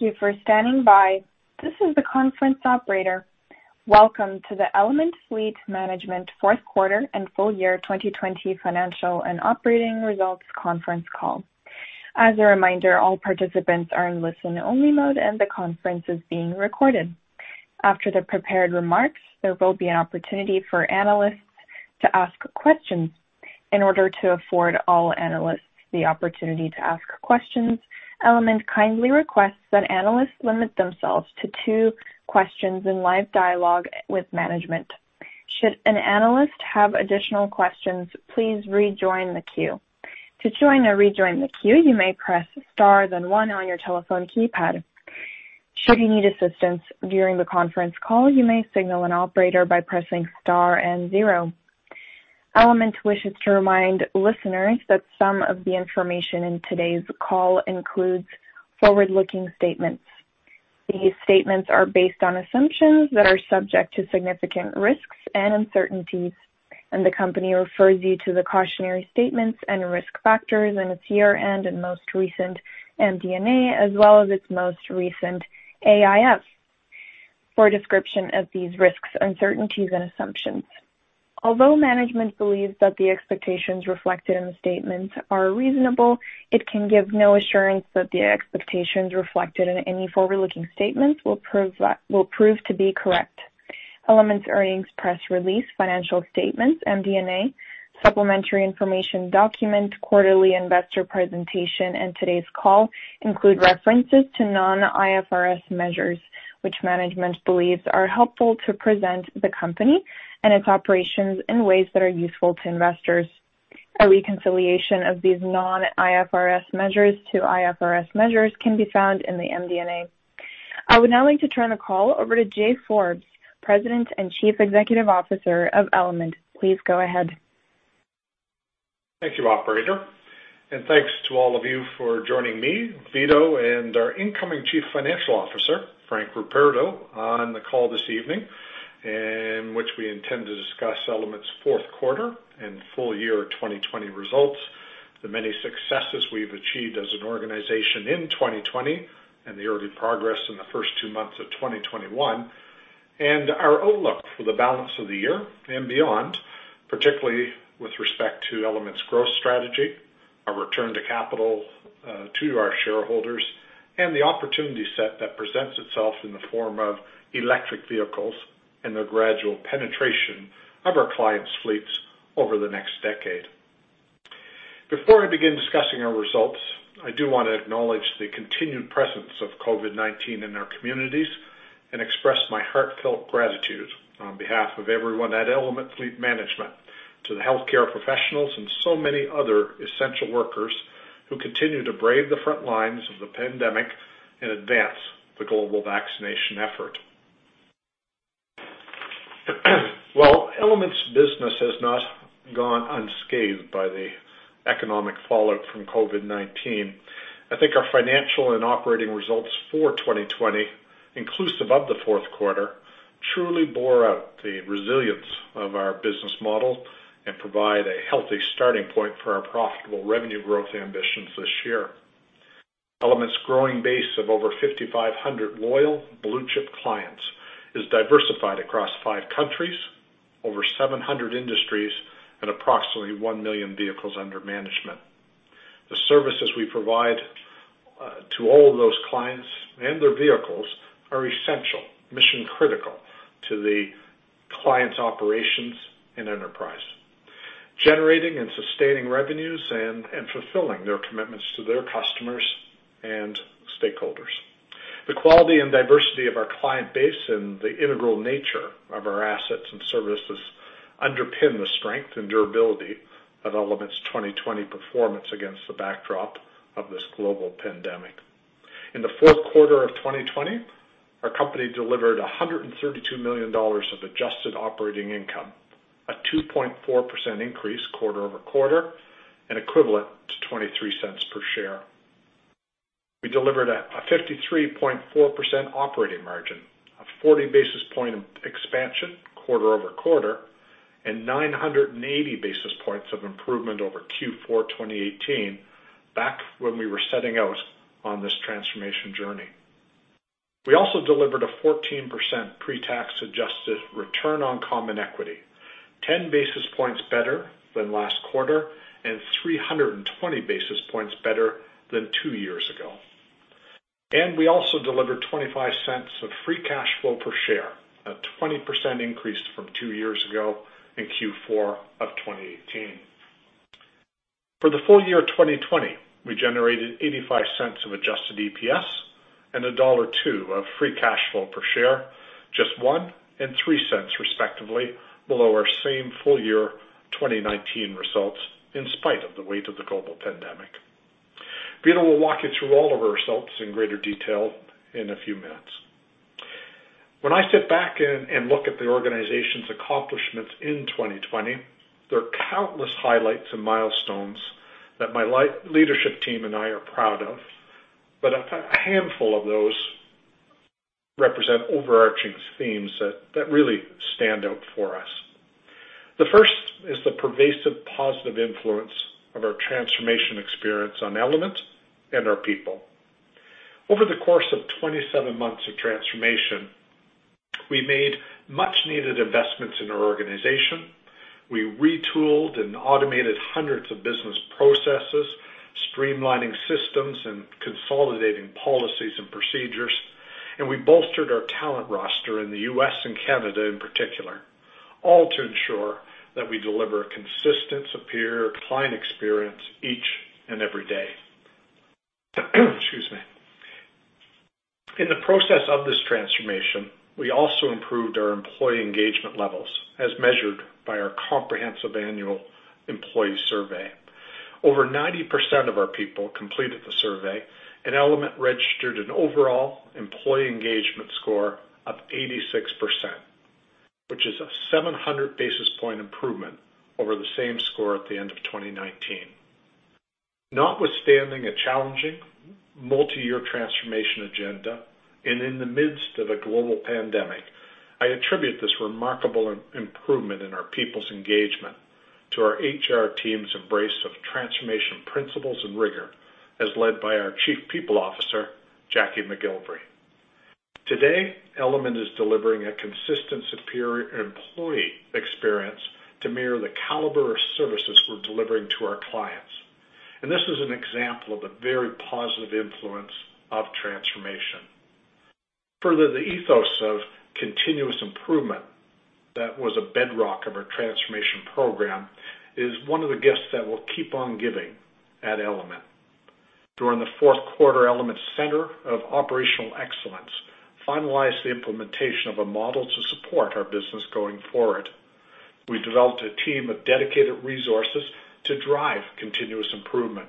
Thank you for standing by. This is the conference operator. Welcome to the Element Fleet Management Fourth Quarter and Full Year 2020 Financial and Operating Results Conference Call. As a reminder, all participants are in listen-only mode, and the conference is being recorded. After the prepared remarks, there will be an opportunity for analysts to ask questions. In order to afford all analysts the opportunity to ask questions, Element kindly requests that analysts limit themselves to two questions in live dialogue with management. Should an analyst have additional questions, please rejoin the queue. To join or rejoin the queue, you may press star then one on your telephone keypad. Should you need assistance during the conference call, you may signal an operator by pressing star and zero. Element wishes to remind listeners that some of the information in today’s call includes forward-looking statements. These statements are based on assumptions that are subject to significant risks and uncertainties, and the company refers you to the cautionary statements and risk factors in its year-end and most recent MD&A, as well as its most recent AIF for a description of these risks, uncertainties, and assumptions. Although management believes that the expectations reflected in the statements are reasonable, it can give no assurance that the expectations reflected in any forward-looking statements will prove to be correct. Element's earnings press release, financial statements, MD&A, supplementary information document, quarterly investor presentation, and today's call include references to non-IFRS measures, which management believes are helpful to present the company and its operations in ways that are useful to investors. A reconciliation of these non-IFRS measures to IFRS measures can be found in the MD&A. I would now like to turn the call over to Jay Forbes, President and Chief Executive Officer of Element. Please go ahead. Thank you, operator. Thanks to all of you for joining me, Vito, and our incoming Chief Financial Officer, Frank Ruperto, on the call this evening in which we intend to discuss Element's fourth quarter and full year 2020 results, the many successes we've achieved as an organization in 2020, and the early progress in the first two months of 2021, and our outlook for the balance of the year and beyond, particularly with respect to Element's growth strategy, our return to capital to our shareholders, and the opportunity set that presents itself in the form of electric vehicles and the gradual penetration of our clients' fleets over the next decade. Before I begin discussing our results, I do want to acknowledge the continued presence of COVID-19 in our communities and express my heartfelt gratitude on behalf of everyone at Element Fleet Management to the healthcare professionals and so many other essential workers who continue to brave the front lines of the pandemic and advance the global vaccination effort. Well, Element's business has not gone unscathed by the economic fallout from COVID-19. I think our financial and operating results for 2020, inclusive of the fourth quarter, truly bore out the resilience of our business model and provide a healthy starting point for our profitable revenue growth ambitions this year. Element's growing base of over 5,500 loyal blue-chip clients is diversified across five countries, over 700 industries, and approximately 1 million vehicles under management. The services we provide to all of those clients and their vehicles are essential, mission-critical to the clients' operations and enterprise, generating and sustaining revenues and fulfilling their commitments to their customers and stakeholders. The quality and diversity of our client base and the integral nature of our assets and services underpin the strength and durability of Element's 2020 performance against the backdrop of this global pandemic. In the fourth quarter of 2020, our company delivered 132 million dollars of adjusted operating income, a 2.4% increase quarter-over-quarter, and equivalent to 0.23 per share. We delivered a 53.4% operating margin, a 40 basis point expansion quarter-over-quarter, and 980 basis points of improvement over Q4 2018, back when we were setting out on this transformation journey. We also delivered a 14% pre-tax adjusted return on common equity, 10 basis points better than last quarter and 320 basis points better than two years ago. We also delivered 0.25 of free cash flow per share, a 20% increase from two years ago in Q4 of 2018. For the full year 2020, we generated 0.85 of adjusted EPS and dollar 1.02 of free cash flow per share, just 0.01 and 0.03 respectively below our same full-year 2019 results in spite of the weight of the global pandemic. Vito will walk you through all of our results in greater detail in a few minutes. When I sit back and look at the organization's accomplishments in 2020, there are countless highlights and milestones that my leadership team and I are proud of. A handful of those represent overarching themes that really stand out for us. The first is the pervasive positive influence of our transformation experience on Element and our people. Over the course of 27 months of transformation, we made much-needed investments in our organization. We retooled and automated hundreds of business processes, streamlining systems and consolidating policies and procedures, and we bolstered our talent roster in the U.S. and Canada in particular, all to ensure that we deliver a consistent, superior client experience each and every day. Excuse me. In the process of this transformation, we also improved our employee engagement levels as measured by our comprehensive annual employee survey. Over 90% of our people completed the survey, and Element registered an overall employee engagement score of 86%, which is a 700-basis point improvement over the same score at the end of 2019. Notwithstanding a challenging multi-year transformation agenda and in the midst of a global pandemic, I attribute this remarkable improvement in our people's engagement to our HR team's embrace of transformation principles and rigor, as led by our Chief People Officer, Jacqui McGillivray. Today, Element is delivering a consistent, superior employee experience to mirror the caliber of services we're delivering to our clients. This is an example of a very positive influence of transformation. Further, the ethos of continuous improvement that was a bedrock of our transformation program is one of the gifts that will keep on giving at Element. During the fourth quarter, Element's Center of Operational Excellence finalized the implementation of a model to support our business going forward. We developed a team of dedicated resources to drive continuous improvement.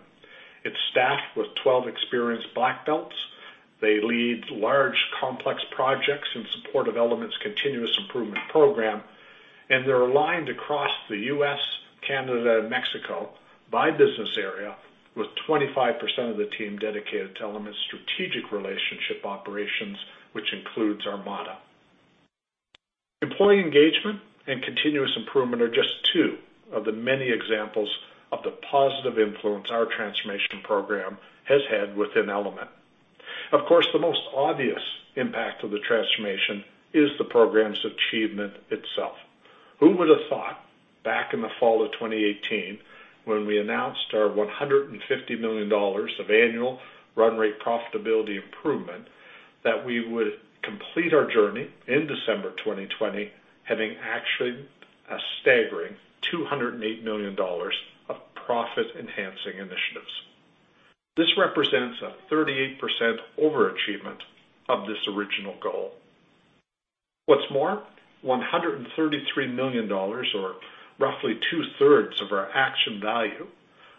It's staffed with 12 experienced Black Belts. They lead large, complex projects in support of Element's continuous improvement program, and they're aligned across the U.S., Canada, and Mexico by business area, with 25% of the team dedicated to Element's strategic relationship operations, which includes Armada. Employee engagement and continuous improvement are just two of the many examples of the positive influence our transformation program has had within Element. Of course, the most obvious impact of the transformation is the program's achievement itself. Who would have thought back in the fall of 2018, when we announced our 150 million dollars of annual run rate profitability improvement, that we would complete our journey in December 2020 having actioned a staggering 208 million dollars of profit-enhancing initiatives? This represents a 38% overachievement of this original goal. What's more, 133 million dollars, or roughly two-thirds of our action value,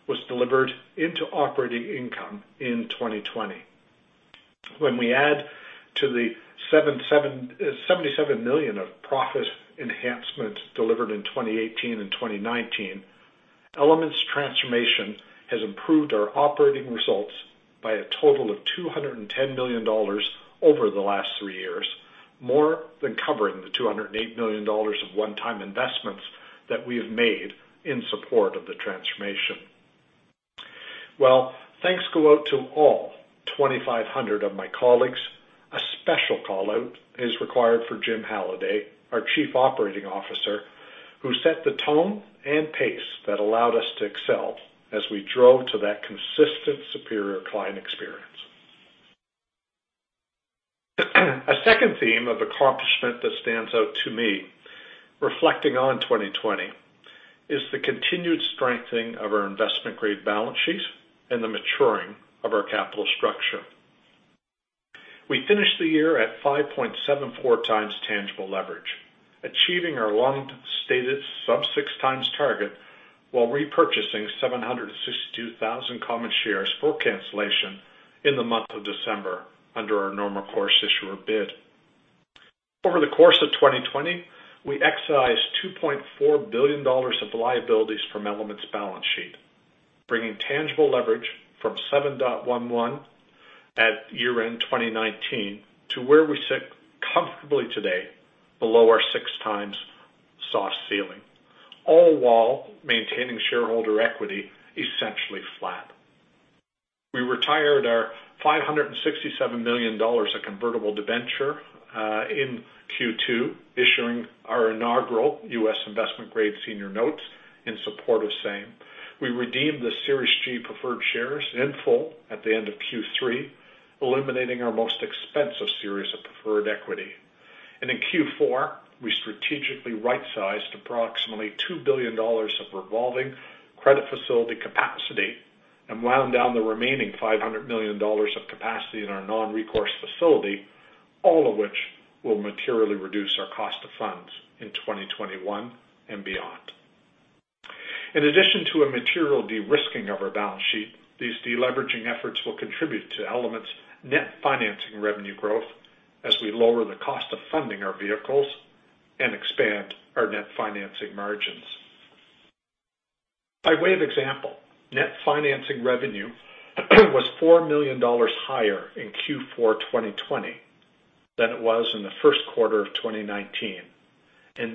was delivered into operating income in 2020. When we add to the 77 million of profit enhancement delivered in 2018 and 2019, Element's transformation has improved our operating results by a total of 210 million dollars over the last three years, more than covering the 208 million dollars of one-time investments that we have made in support of the transformation. Well, thanks go out to all 2,500 of my colleagues. A special call-out is required for Jim Halliday, our Chief Operating Officer, who set the tone and pace that allowed us to excel as we drove to that consistent superior client experience. A second theme of accomplishment that stands out to me reflecting on 2020 is the continued strengthening of our investment-grade balance sheet and the maturing of our capital structure. We finished the year at 5.74x tangible leverage, achieving our long-stated sub-6x target while repurchasing 762,000 common shares for cancellation in the month of December under our normal course issuer bid. Over the course of 2020, we excised 2.4 billion dollars of liabilities from Element's balance sheet, bringing tangible leverage from 7.11 at year-end 2019 to where we sit comfortably today below our 6x soft ceiling, all while maintaining shareholder equity essentially flat. We retired our 567 million dollars of convertible debenture in Q2, issuing our inaugural U.S. investment-grade senior notes in support of same. We redeemed the Series G preferred shares in full at the end of Q3, eliminating our most expensive series of preferred equity. In Q4, we strategically right-sized approximately 2 billion dollars of revolving credit facility capacity and wound down the remaining 500 million dollars of capacity in our non-recourse facility, all of which will materially reduce our cost of funds in 2021 and beyond. In addition to a material de-risking of our balance sheet, these de-leveraging efforts will contribute to Element's net financing revenue growth as we lower the cost of funding our vehicles and expand our net financing margins. By way of example, net financing revenue was 4 million dollars higher in Q4 2020 than it was in the first quarter of 2019, and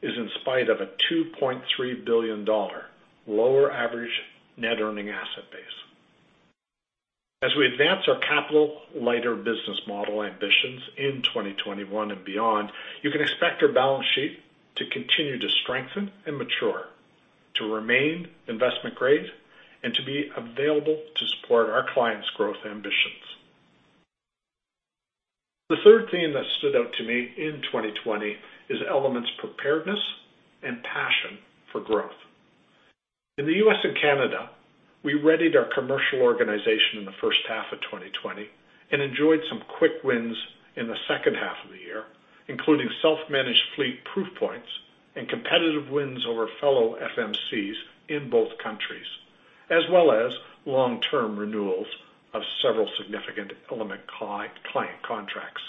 that is in spite of a 2.3 billion dollar lower average net earning asset base. As we advance our capital lighter business model ambitions in 2021 and beyond, you can expect our balance sheet to continue to strengthen and mature, to remain investment grade, and to be available to support our clients' growth ambitions. The third theme that stood out to me in 2020 is Element's preparedness and passion for growth. In the U.S. and Canada, we readied our commercial organization in the first half of 2020 and enjoyed some quick wins in the second half of the year, including self-managed fleet proof points and competitive wins over fellow FMCs in both countries, as well as long-term renewals of several significant Element client contracts.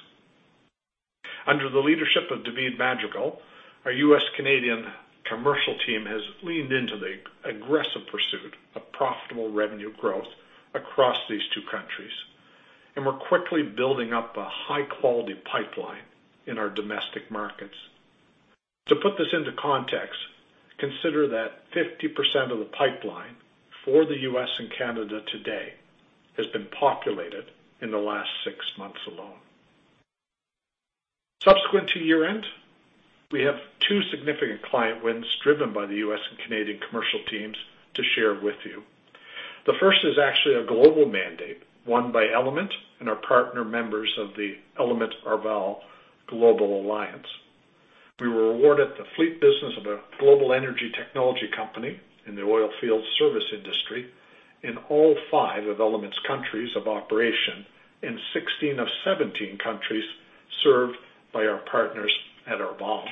Under the leadership of David Madrigal, our U.S.-Canadian commercial team has leaned into the aggressive pursuit of profitable revenue growth across these two countries, and we're quickly building up a high-quality pipeline in our domestic markets. To put this into context, consider that 50% of the pipeline for the U.S. and Canada today has been populated in the last six months alone. Subsequent to year-end, we have two significant client wins driven by the U.S. and Canadian commercial teams to share with you. The first is actually a global mandate won by Element and our partner members of the Element-Arval Global Alliance. We were awarded the fleet business of a global energy technology company in the oilfield service industry in all five of Element's countries of operation, in 16 of 17 countries served by our partners at Arval.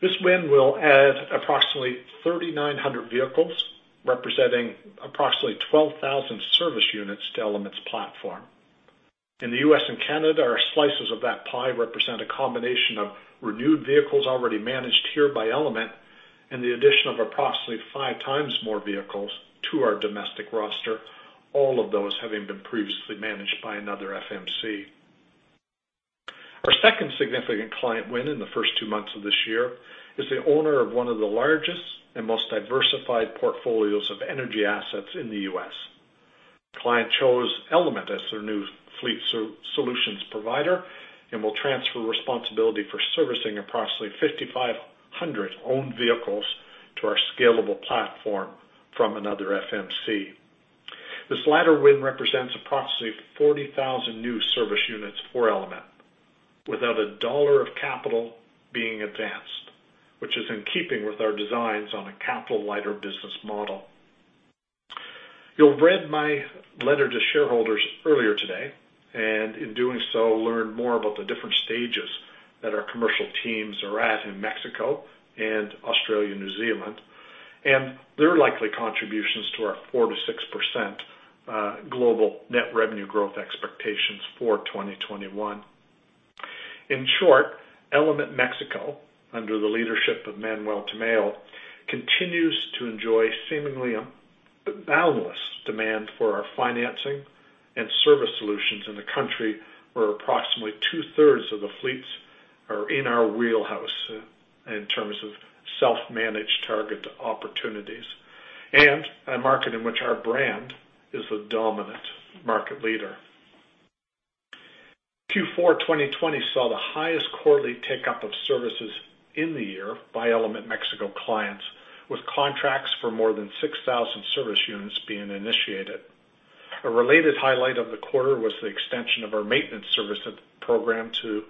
This win will add approximately 3,900 vehicles, representing approximately 12,000 service units to Element's platform. In the U.S. and Canada, our slices of that pie represent a combination of renewed vehicles already managed here by Element, and the addition of approximately five times more vehicles to our domestic roster, all of those having been previously managed by another FMC. Our second significant client win in the first two months of this year is the owner of one of the largest and most diversified portfolios of energy assets in the U.S. The client chose Element as their new fleet solutions provider, and will transfer responsibility for servicing approximately 5,500 owned vehicles to our scalable platform from another FMC. This latter win represents approximately 40,000 new service units for Element without a dollar of capital being advanced, which is in keeping with our designs on a capital lighter business model. You'll read my letter to shareholders earlier today, and in doing so, learn more about the different stages that our commercial teams are at in Mexico and Australia-New Zealand, and their likely contributions to our 4%-6% global net revenue growth expectations for 2021. In short, Element Mexico, under the leadership of Manuel Tamayo, continues to enjoy seemingly boundless demand for our financing and service solutions in the country, where approximately two-thirds of the fleets are in our wheelhouse in terms of self-managed target opportunities, and a market in which our brand is a dominant market leader. Q4 2020 saw the highest quarterly take-up of services in the year by Element Mexico clients, with contracts for more than 6,000 service units being initiated. A related highlight of the quarter was the extension of our maintenance service program to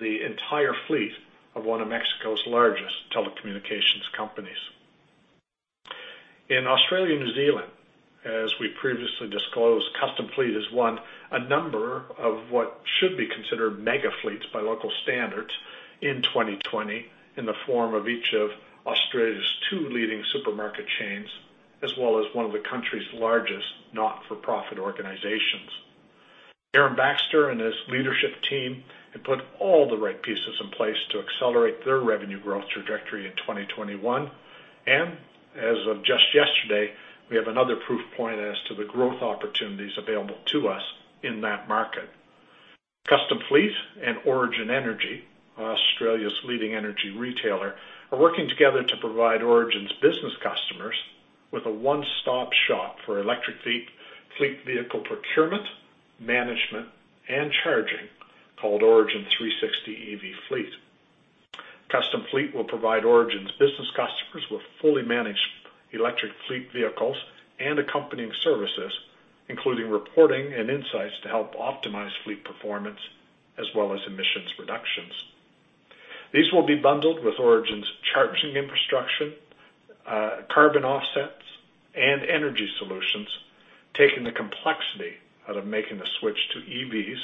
the entire fleet of one of Mexico's largest telecommunications companies. In Australia-New Zealand, as we previously disclosed, Custom Fleet has won a number of what should be considered mega-fleets by local standards in 2020 in the form of each of Australia's two leading supermarket chains, as well as one of the country's largest not-for-profit organizations. Aaron Baxter and his leadership team have put all the right pieces in place to accelerate their revenue growth trajectory in 2021. As of just yesterday, we have another proof point as to the growth opportunities available to us in that market. Custom Fleet and Origin Energy, Australia's leading energy retailer, are working together to provide Origin's business customers with a one-stop shop for electric fleet vehicle procurement, management, and charging called Origin 360 EV Fleet. Custom Fleet will provide Origin's business customers with fully managed electric fleet vehicles and accompanying services, including reporting and insights to help optimize fleet performance as well as emissions reductions. These will be bundled with Origin's charging infrastructure, carbon offsets, and energy solutions, taking the complexity out of making the switch to EVs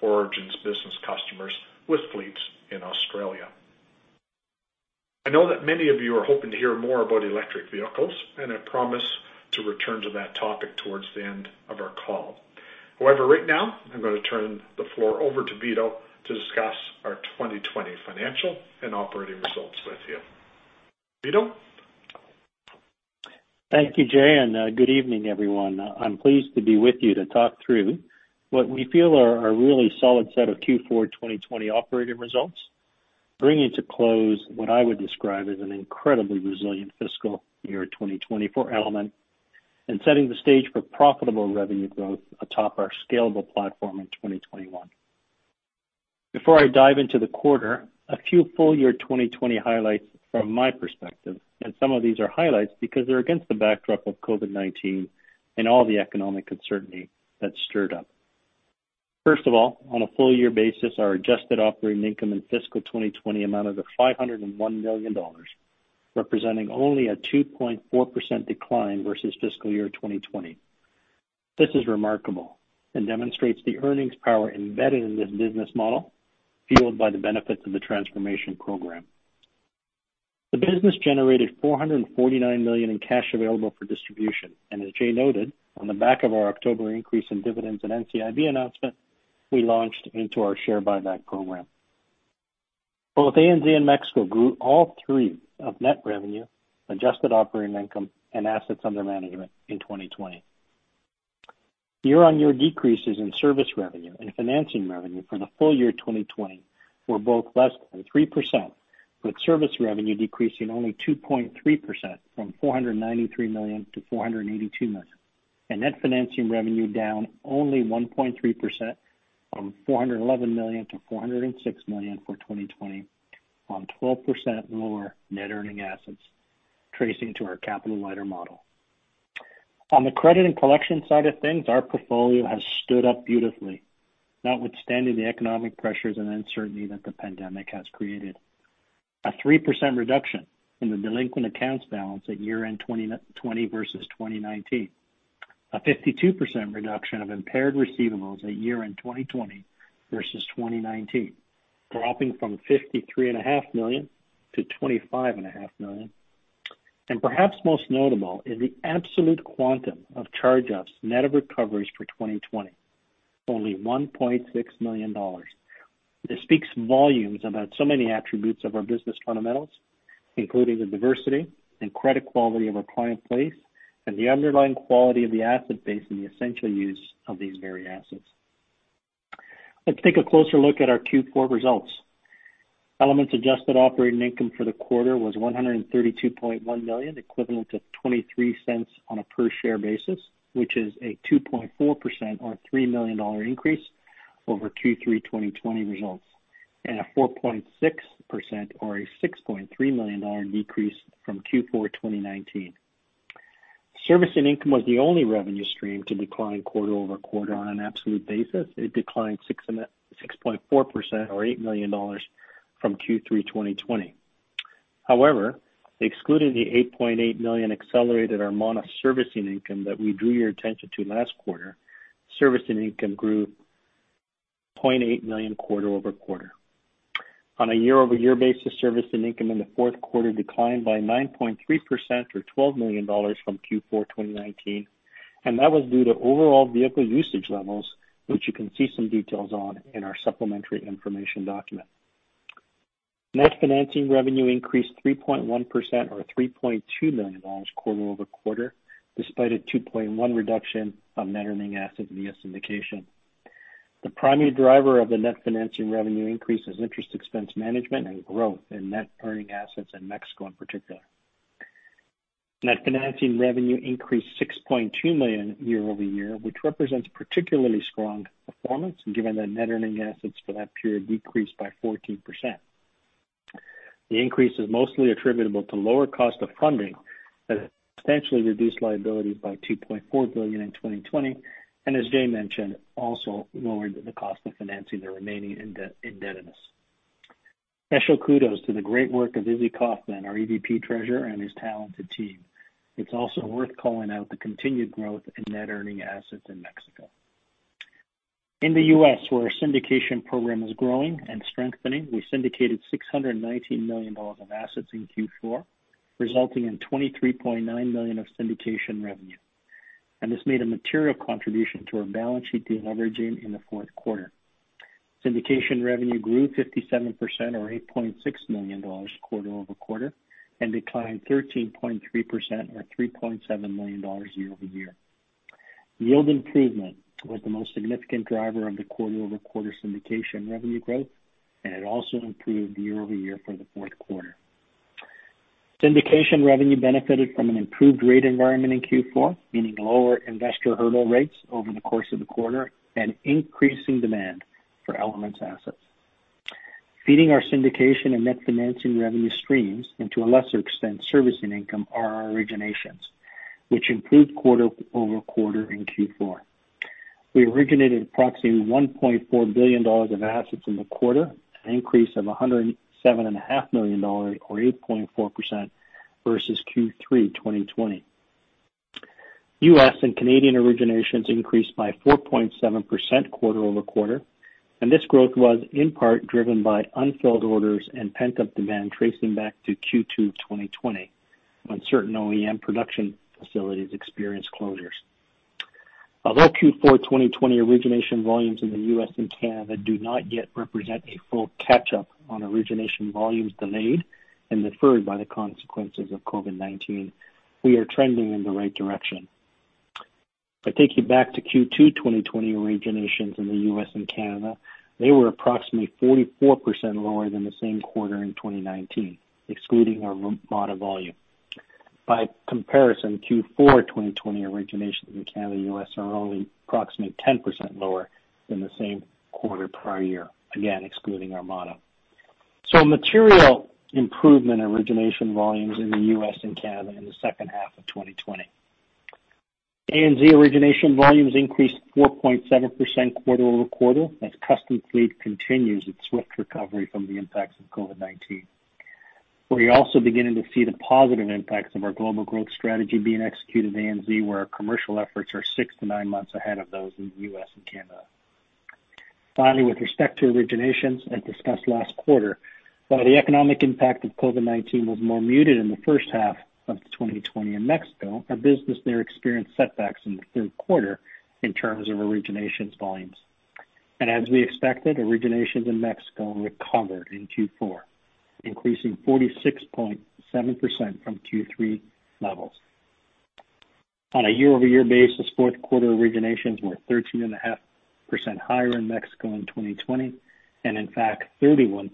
for Origin's business customers with fleets in Australia. I know that many of you are hoping to hear more about electric vehicles, I promise to return to that topic towards the end of our call. However, right now, I'm going to turn the floor over to Vito to discuss our 2020 financial and operating results with you. Vito? Thank you, Jay. Good evening, everyone. I'm pleased to be with you to talk through what we feel are a really solid set of Q4 2020 operating results, bringing to close what I would describe as an incredibly resilient fiscal year 2020 for Element and setting the stage for profitable revenue growth atop our scalable platform in 2021. Before I dive into the quarter, a few full year 2020 highlights from my perspective. Some of these are highlights because they're against the backdrop of COVID-19 and all the economic uncertainty that's stirred up. First of all, on a full year basis, our adjusted operating income in fiscal 2020 amounted to 501 million dollars, representing only a 2.4% decline versus fiscal year 2020. This is remarkable and demonstrates the earnings power embedded in this business model, fueled by the benefits of the transformation program. The business generated 449 million in cash available for distribution. As Jay noted, on the back of our October increase in dividends and NCIB announcement, we launched into our share buyback program. Both ANZ and Mexico grew all three of net revenue, adjusted operating income, and assets under management in 2020. Year-on-year decreases in service revenue and financing revenue for the full year 2020 were both less than 3%, with service revenue decreasing only 2.3% from 493 million to 482 million, and net financing revenue down only 1.3% from 411 million to 406 million for 2020 on 12% lower net earning assets tracing to our capital-lighter model. On the credit and collection side of things, our portfolio has stood up beautifully, notwithstanding the economic pressures and uncertainty that the pandemic has created. A 3% reduction in the delinquent accounts balance at year-end 2020 versus 2019. A 52% reduction of impaired receivables at year-end 2020 versus 2019, dropping from 53.5 million-25.5 million. Perhaps most notable is the absolute quantum of charge-offs net of recoveries for 2020, only 1.6 million dollars. This speaks volumes about so many attributes of our business fundamentals, including the diversity and credit quality of our client base and the underlying quality of the asset base and the essential use of these very assets. Let's take a closer look at our Q4 results. Element's adjusted operating income for the quarter was 132.1 million, equivalent to 0.23 on a per share basis, which is a 2.4% or 3 million dollar increase over Q3 2020 results and a 4.6% or a 6.3 million dollar decrease from Q4 2019. Servicing income was the only revenue stream to decline quarter-over-quarter on an absolute basis. It declined 6.4% or 8 million dollars from Q3 2020. Excluding the 8.8 million accelerated amount of servicing income that we drew your attention to last quarter, servicing income grew 0.8 million quarter-over-quarter. On a year-over-year basis, servicing income in the fourth quarter declined by 9.3% or 12 million dollars from Q4 2019, that was due to overall vehicle usage levels, which you can see some details on in our supplementary information document. Net financing revenue increased 3.1% or 3.2 million dollars quarter-over-quarter, despite a 2.1% reduction of net earning assets via syndication. The primary driver of the net financing revenue increase is interest expense management and growth in net earning assets in Mexico in particular. Net financing revenue increased 6.2 million year-over-year, which represents particularly strong performance given that net earning assets for that period decreased by 14%. The increase is mostly attributable to lower cost of funding that has substantially reduced liabilities by 2.4 billion in 2020, and as Jay mentioned, also lowered the cost of financing the remaining indebtedness. Special kudos to the great work of Izzy Kaufman, our EVP, Treasurer, and his talented team. It's also worth calling out the continued growth in net earning assets in Mexico. In the U.S., where our syndication program is growing and strengthening, we syndicated 619 million dollars of assets in Q4, resulting in 23.9 million of syndication revenue. This made a material contribution to our balance sheet deleveraging in the fourth quarter. Syndication revenue grew 57% or 8.6 million dollars quarter-over-quarter and declined 13.3% or 3.7 million dollars year-over-year. Yield improvement was the most significant driver of the quarter-over-quarter syndication revenue growth, and it also improved year-over-year for the fourth quarter. Syndication revenue benefited from an improved rate environment in Q4, meaning lower investor hurdle rates over the course of the quarter and increasing demand for Element's assets. Feeding our syndication and net financing revenue streams, to a lesser extent, servicing income are our originations, which improved quarter-over-quarter in Q4. We originated approximately 1.4 billion dollars of assets in the quarter, an increase of 107.5 million dollars or 8.4% versus Q3 2020. U.S. and Canadian originations increased by 4.7% quarter-over-quarter, and this growth was in part driven by unfilled orders and pent-up demand tracing back to Q2 2020, when certain OEM production facilities experienced closures. Although Q4 2020 origination volumes in the U.S. and Canada do not yet represent a full catch-up on origination volumes delayed and deferred by the consequences of COVID-19, we are trending in the right direction. If I take you back to Q2 2020 originations in the U.S. and Canada, they were approximately 44% lower than the same quarter in 2019, excluding our Armada volume. By comparison, Q4 2020 originations in Canada and U.S. are only approximately 10% lower than the same quarter prior year, again, excluding Armada. Material improvement origination volumes in the U.S. and Canada in the second half of 2020. ANZ origination volumes increased 4.7% quarter-over-quarter as Custom Fleet continues its swift recovery from the impacts of COVID-19. We're also beginning to see the positive impacts of our global growth strategy being executed in ANZ, where our commercial efforts are six to nine months ahead of those in the U.S. and Canada. Finally, with respect to originations, as discussed last quarter, while the economic impact of COVID-19 was more muted in the first half of 2020 in Mexico, our business there experienced setbacks in the third quarter in terms of originations volumes. As we expected, originations in Mexico recovered in Q4, increasing 46.7% from Q3 levels. On a year-over-year basis, fourth quarter originations were 13.5% higher in Mexico in 2020, and in fact, 31%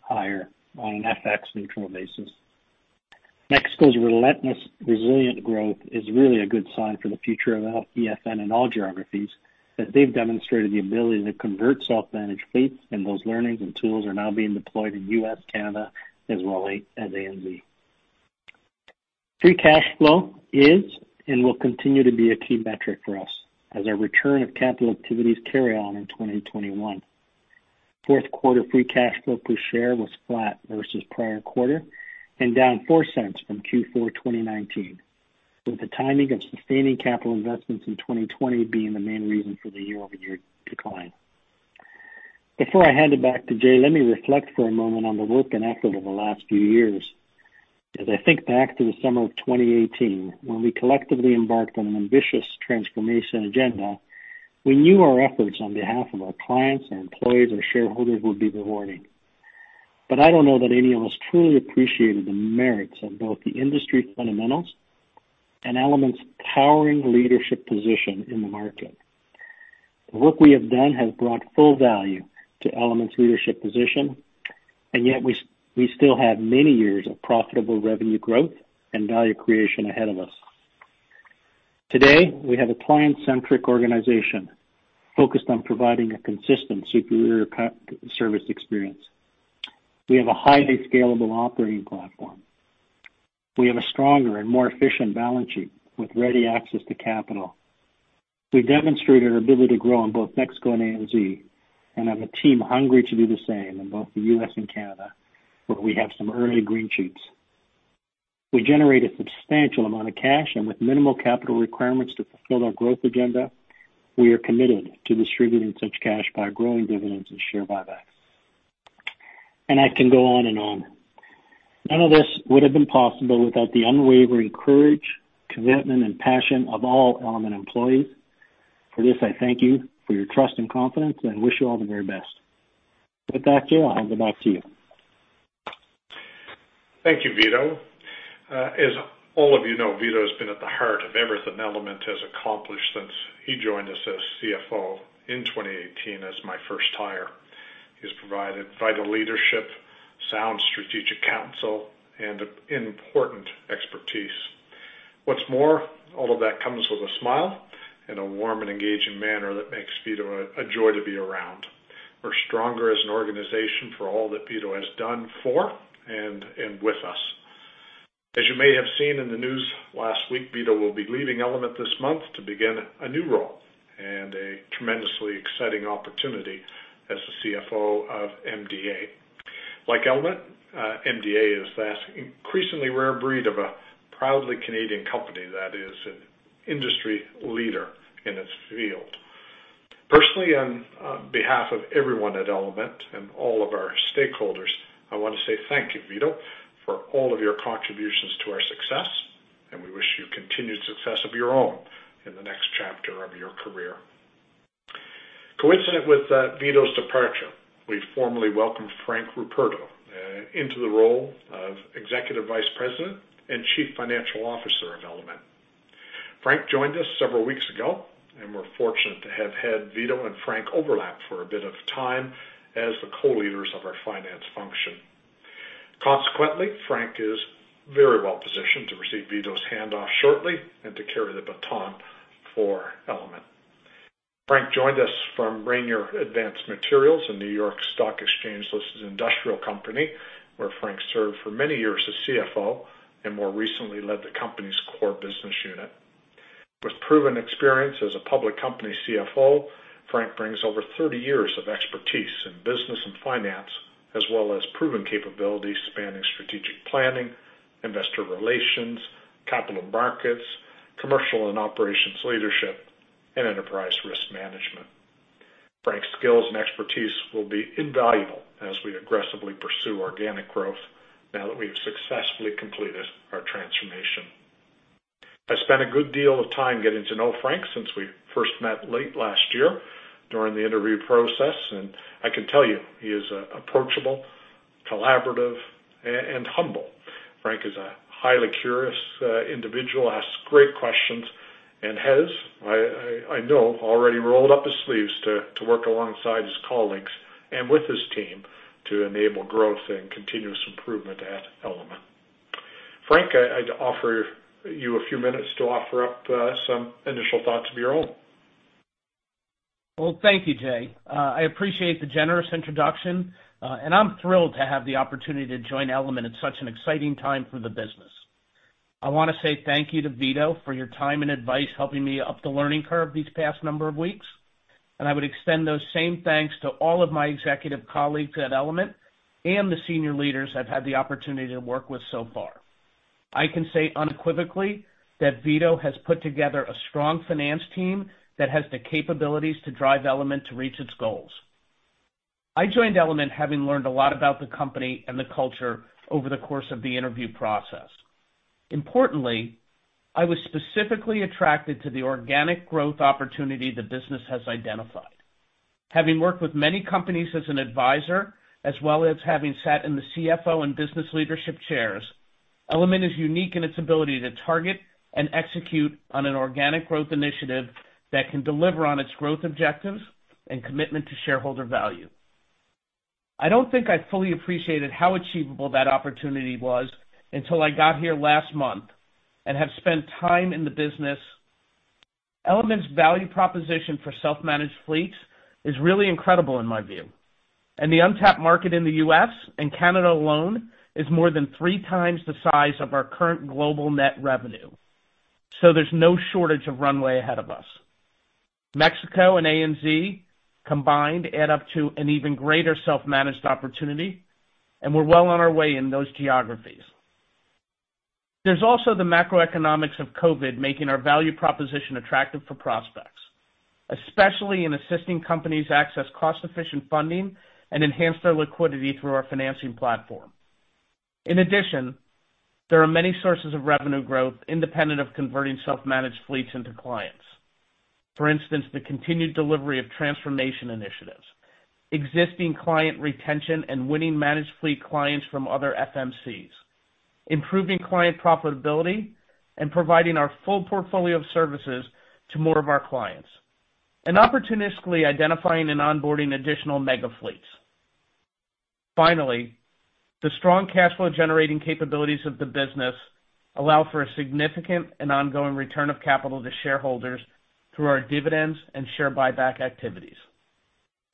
higher on an FX neutral basis. Mexico's relentless resilient growth is really a good sign for the future of EFN in all geographies, as they've demonstrated the ability to convert self-managed fleets, and those learnings and tools are now being deployed in U.S., Canada, as well as ANZ. Free cash flow is and will continue to be a key metric for us as our return of capital activities carry on in 2021. Fourth quarter free cash flow per share was flat versus prior quarter and down 0.04 from Q4 2019, with the timing of sustaining capital investments in 2020 being the main reason for the year-over-year decline. Before I hand it back to Jay, let me reflect for a moment on the work in effort over the last few years. As I think back to the summer of 2018, when we collectively embarked on an ambitious transformation agenda, we knew our efforts on behalf of our clients, our employees, our shareholders would be rewarding. I don't know that any of us truly appreciated the merits of both the industry fundamentals and Element's towering leadership position in the market. The work we have done has brought full value to Element's leadership position, and yet we still have many years of profitable revenue growth and value creation ahead of us. Today, we have a client-centric organization focused on providing a consistent, superior service experience. We have a highly scalable operating platform. We have a stronger and more efficient balance sheet with ready access to capital. We demonstrated our ability to grow in both Mexico and ANZ, and have a team hungry to do the same in both the U.S. and Canada, where we have some early green shoots. We generate a substantial amount of cash, and with minimal capital requirements to fulfill our growth agenda, we are committed to distributing such cash by growing dividends and share buybacks. I can go on and on. None of this would've been possible without the unwavering courage, commitment, and passion of all Element employees. For this, I thank you for your trust and confidence and wish you all the very best. With that, Jay, I'll hand it back to you. Thank you, Vito. As all of you know, Vito has been at the heart of everything Element has accomplished since he joined us as CFO in 2018 as my first hire. He has provided vital leadership, sound strategic counsel, and important expertise. What's more, all of that comes with a smile and a warm and engaging manner that makes Vito a joy to be around. We're stronger as an organization for all that Vito has done for and with us. As you may have seen in the news last week, Vito will be leaving Element this month to begin a new role and a tremendously exciting opportunity as the CFO of MDA. Like Element, MDA is that increasingly rare breed of a proudly Canadian company that is an industry leader in its field. Personally, on behalf of everyone at Element and all of our stakeholders, I want to say thank you, Vito, for all of your contributions to our success, and we wish you continued success of your own in the next chapter of your career. Coincident with Vito's departure, we formally welcomed Frank Ruperto into the role of Executive Vice President and Chief Financial Officer of Element. Frank joined us several weeks ago, and we're fortunate to have had Vito and Frank overlap for a bit of time as the co-leaders of our finance function. Consequently, Frank is very well-positioned to receive Vito's handoff shortly and to carry the baton for Element. Frank joined us from Rayonier Advanced Materials, a New York Stock Exchange-listed industrial company, where Frank served for many years as CFO and more recently led the company's core business unit. With proven experience as a public company CFO, Frank brings over 30 years of expertise in business and finance, as well as proven capabilities spanning strategic planning, investor relations, capital markets, commercial and operations leadership, and enterprise risk management. Frank's skills and expertise will be invaluable as we aggressively pursue organic growth now that we've successfully completed our transformation. I spent a good deal of time getting to know Frank since we first met late last year during the interview process, and I can tell you he is approachable, collaborative, and humble. Frank is a highly curious individual, asks great questions, and has, I know, already rolled up his sleeves to work alongside his colleagues and with his team to enable growth and continuous improvement at Element. Frank, I'd offer you a few minutes to offer up some initial thoughts of your own. Well, thank you, Jay. I appreciate the generous introduction, and I'm thrilled to have the opportunity to join Element at such an exciting time for the business. I want to say thank you to Vito for your time and advice, helping me up the learning curve these past number of weeks. I would extend those same thanks to all of my executive colleagues at Element and the senior leaders I've had the opportunity to work with so far. I can say unequivocally that Vito has put together a strong finance team that has the capabilities to drive Element to reach its goals. I joined Element having learned a lot about the company and the culture over the course of the interview process. Importantly, I was specifically attracted to the organic growth opportunity the business has identified. Having worked with many companies as an advisor, as well as having sat in the CFO and business leadership chairs, Element is unique in its ability to target and execute on an organic growth initiative that can deliver on its growth objectives and commitment to shareholder value. I don't think I fully appreciated how achievable that opportunity was until I got here last month and have spent time in the business. Element's value proposition for self-managed fleets is really incredible in my view, and the untapped market in the U.S. and Canada alone is more than three times the size of our current global net revenue. There's no shortage of runway ahead of us. Mexico and ANZ combined add up to an even greater self-managed opportunity, and we're well on our way in those geographies. There's also the macroeconomics of COVID making our value proposition attractive for prospects, especially in assisting companies access cost-efficient funding and enhance their liquidity through our financing platform. There are many sources of revenue growth independent of converting self-managed fleets into clients, for instance, the continued delivery of transformation initiatives, existing client retention and winning managed fleet clients from other FMCs, improving client profitability, and providing our full portfolio of services to more of our clients, and opportunistically identifying and onboarding additional mega-fleets. The strong cash flow-generating capabilities of the business allow for a significant and ongoing return of capital to shareholders through our dividends and share buyback activities.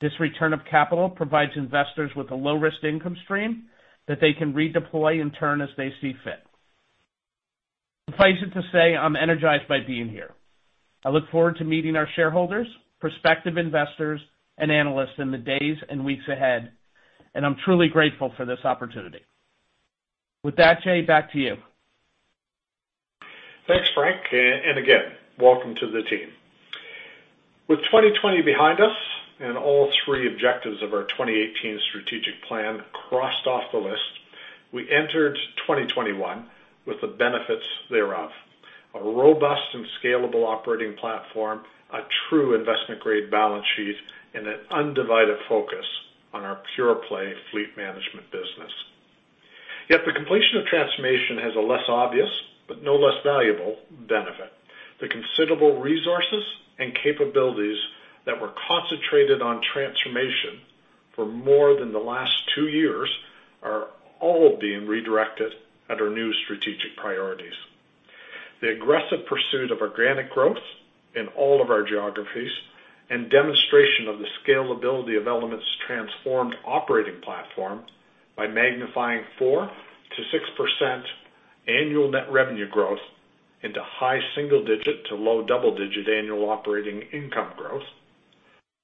This return of capital provides investors with a low-risk income stream that they can redeploy in turn as they see fit. Suffice it to say, I'm energized by being here. I look forward to meeting our shareholders, prospective investors, and analysts in the days and weeks ahead, and I'm truly grateful for this opportunity. With that, Jay, back to you. Thanks, Frank, and again, welcome to the team. With 2020 behind us and all three objectives of our 2018 strategic plan crossed off the list, we entered 2021 with the benefits thereof. A robust and scalable operating platform, a true investment-grade balance sheet, and an undivided focus on our pure-play fleet management business. Yet the completion of transformation has a less obvious but no less valuable benefit. The considerable resources and capabilities that were concentrated on transformation for more than the last two years are all being redirected at our new strategic priorities. The aggressive pursuit of organic growth in all of our geographies, and demonstration of the scalability of Element's transformed operating platform by magnifying 4%-6% annual net revenue growth into high-single-digit to low-double-digit annual operating income growth.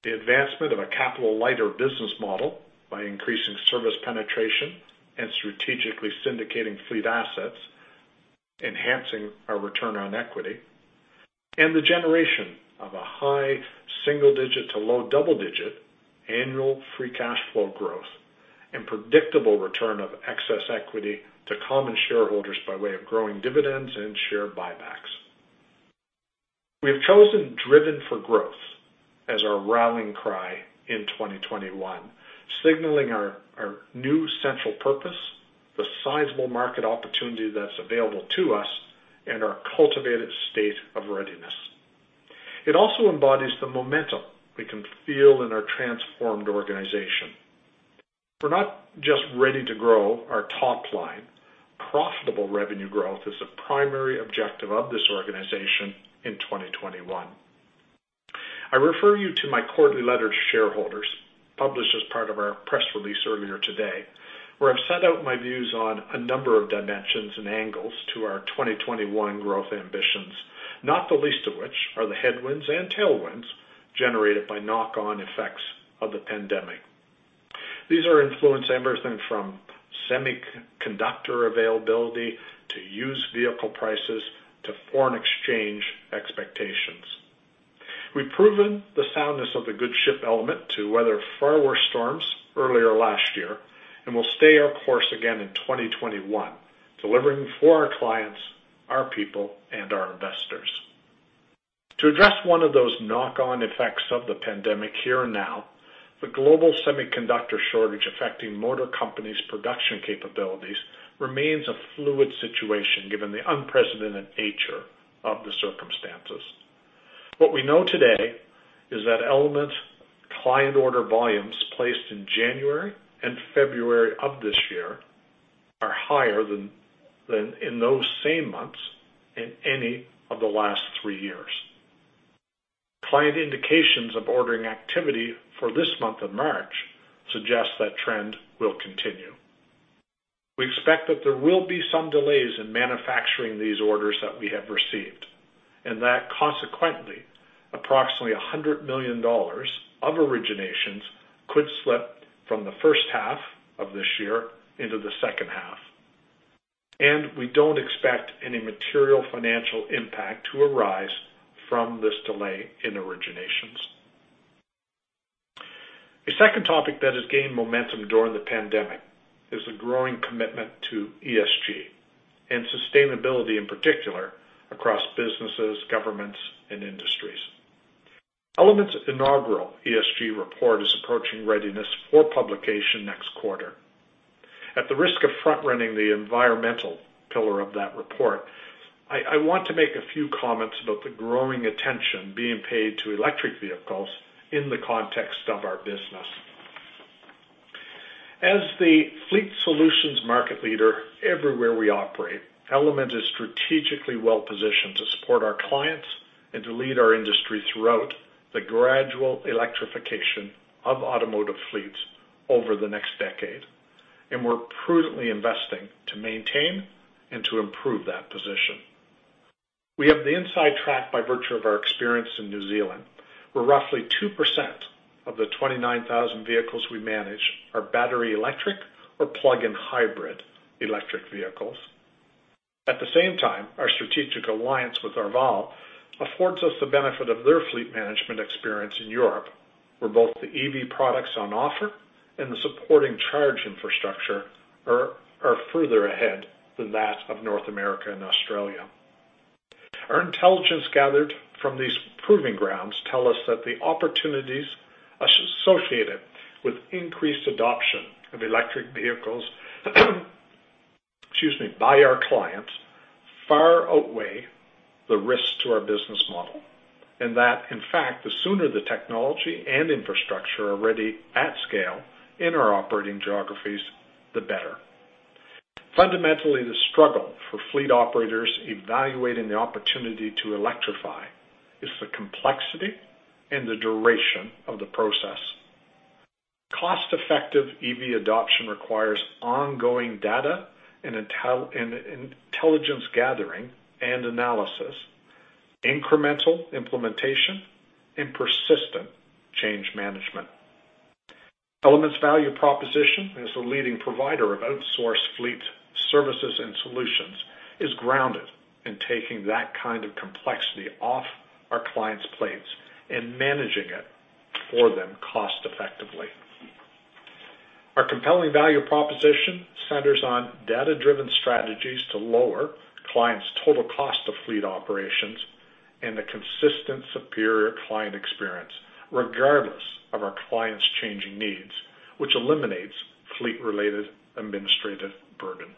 The advancement of a capital-lighter business model by increasing service penetration and strategically syndicating fleet assets, enhancing our return on equity. The generation of a high-single-digit to low-double-digit annual free cash flow growth and predictable return of excess equity to common shareholders by way of growing dividends and share buybacks. We have chosen Driven for Growth as our rallying cry in 2021, signaling our new central purpose, the sizable market opportunity that's available to us, and our cultivated state of readiness. It also embodies the momentum we can feel in our transformed organization. We're not just ready to grow our top line. Profitable revenue growth is a primary objective of this organization in 2021. I refer you to my quarterly letter to shareholders, published as part of our press release earlier today, where I've set out my views on a number of dimensions and angles to our 2021 growth ambitions, not the least of which are the headwinds and tailwinds generated by knock-on effects of the pandemic. These are influenced everything from semiconductor availability, to used vehicle prices, to foreign exchange expectations. We've proven the soundness of the good ship Element to weather far worse storms earlier last year, and will stay our course again in 2021, delivering for our clients, our people, and our investors. To address one of those knock-on effects of the pandemic here now, the global semiconductor shortage affecting motor companies' production capabilities remains a fluid situation, given the unprecedented nature of the circumstances. What we know today is that Element order volumes placed in January and February of this year are higher than in those same months in any of the last three years. Client indications of ordering activity for this month of March suggests that trend will continue. We expect that there will be some delays in manufacturing these orders that we have received, and that consequently, approximately 100 million dollars of originations could slip from the first half of this year into the second half. We don't expect any material financial impact to arise from this delay in originations. A second topic that has gained momentum during the pandemic is the growing commitment to ESG and sustainability, in particular, across businesses, governments, and industries. Element's inaugural ESG report is approaching readiness for publication next quarter. At the risk of front-running the environmental pillar of that report, I want to make a few comments about the growing attention being paid to electric vehicles in the context of our business. As the fleet solutions market leader everywhere we operate, Element is strategically well-positioned to support our clients and to lead our industry throughout the gradual electrification of automotive fleets over the next decade. We're prudently investing to maintain and to improve that position. We have the inside track by virtue of our experience in New Zealand, where roughly 2% of the 29,000 vehicles we manage are battery electric or plug-in hybrid electric vehicles. At the same time, our strategic alliance with Arval affords us the benefit of their fleet management experience in Europe, where both the EV products on offer and the supporting charge infrastructure are further ahead than that of North America and Australia. Our intelligence gathered from these proving grounds tell us that the opportunities associated with increased adoption of electric vehicles by our clients far outweigh the risks to our business model, and that, in fact, the sooner the technology and infrastructure are ready at scale in our operating geographies, the better. Fundamentally, the struggle for fleet operators evaluating the opportunity to electrify is the complexity and the duration of the process. Cost-effective EV adoption requires ongoing data and intelligence gathering and analysis, incremental implementation, and persistent change management. Element's value proposition as a leading provider of outsourced fleet services and solutions is grounded in taking that kind of complexity off our clients' plates and managing it for them cost effectively. Our compelling value proposition centers on data-driven strategies to lower clients' total cost of fleet operations and a consistent, superior client experience regardless of our clients' changing needs, which eliminates fleet-related administrative burden.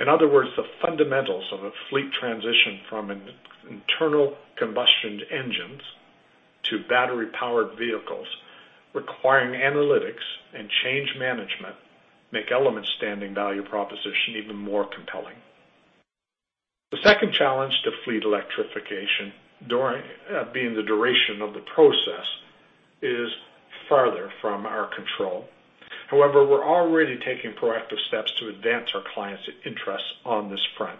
In other words, the fundamentals of a fleet transition from internal combustion engines to battery-powered vehicles requiring analytics and change management make Element's standing value proposition even more compelling. The second challenge to fleet electrification, being the duration of the process, is farther from our control. However, we're already taking proactive steps to advance our clients' interests on this front.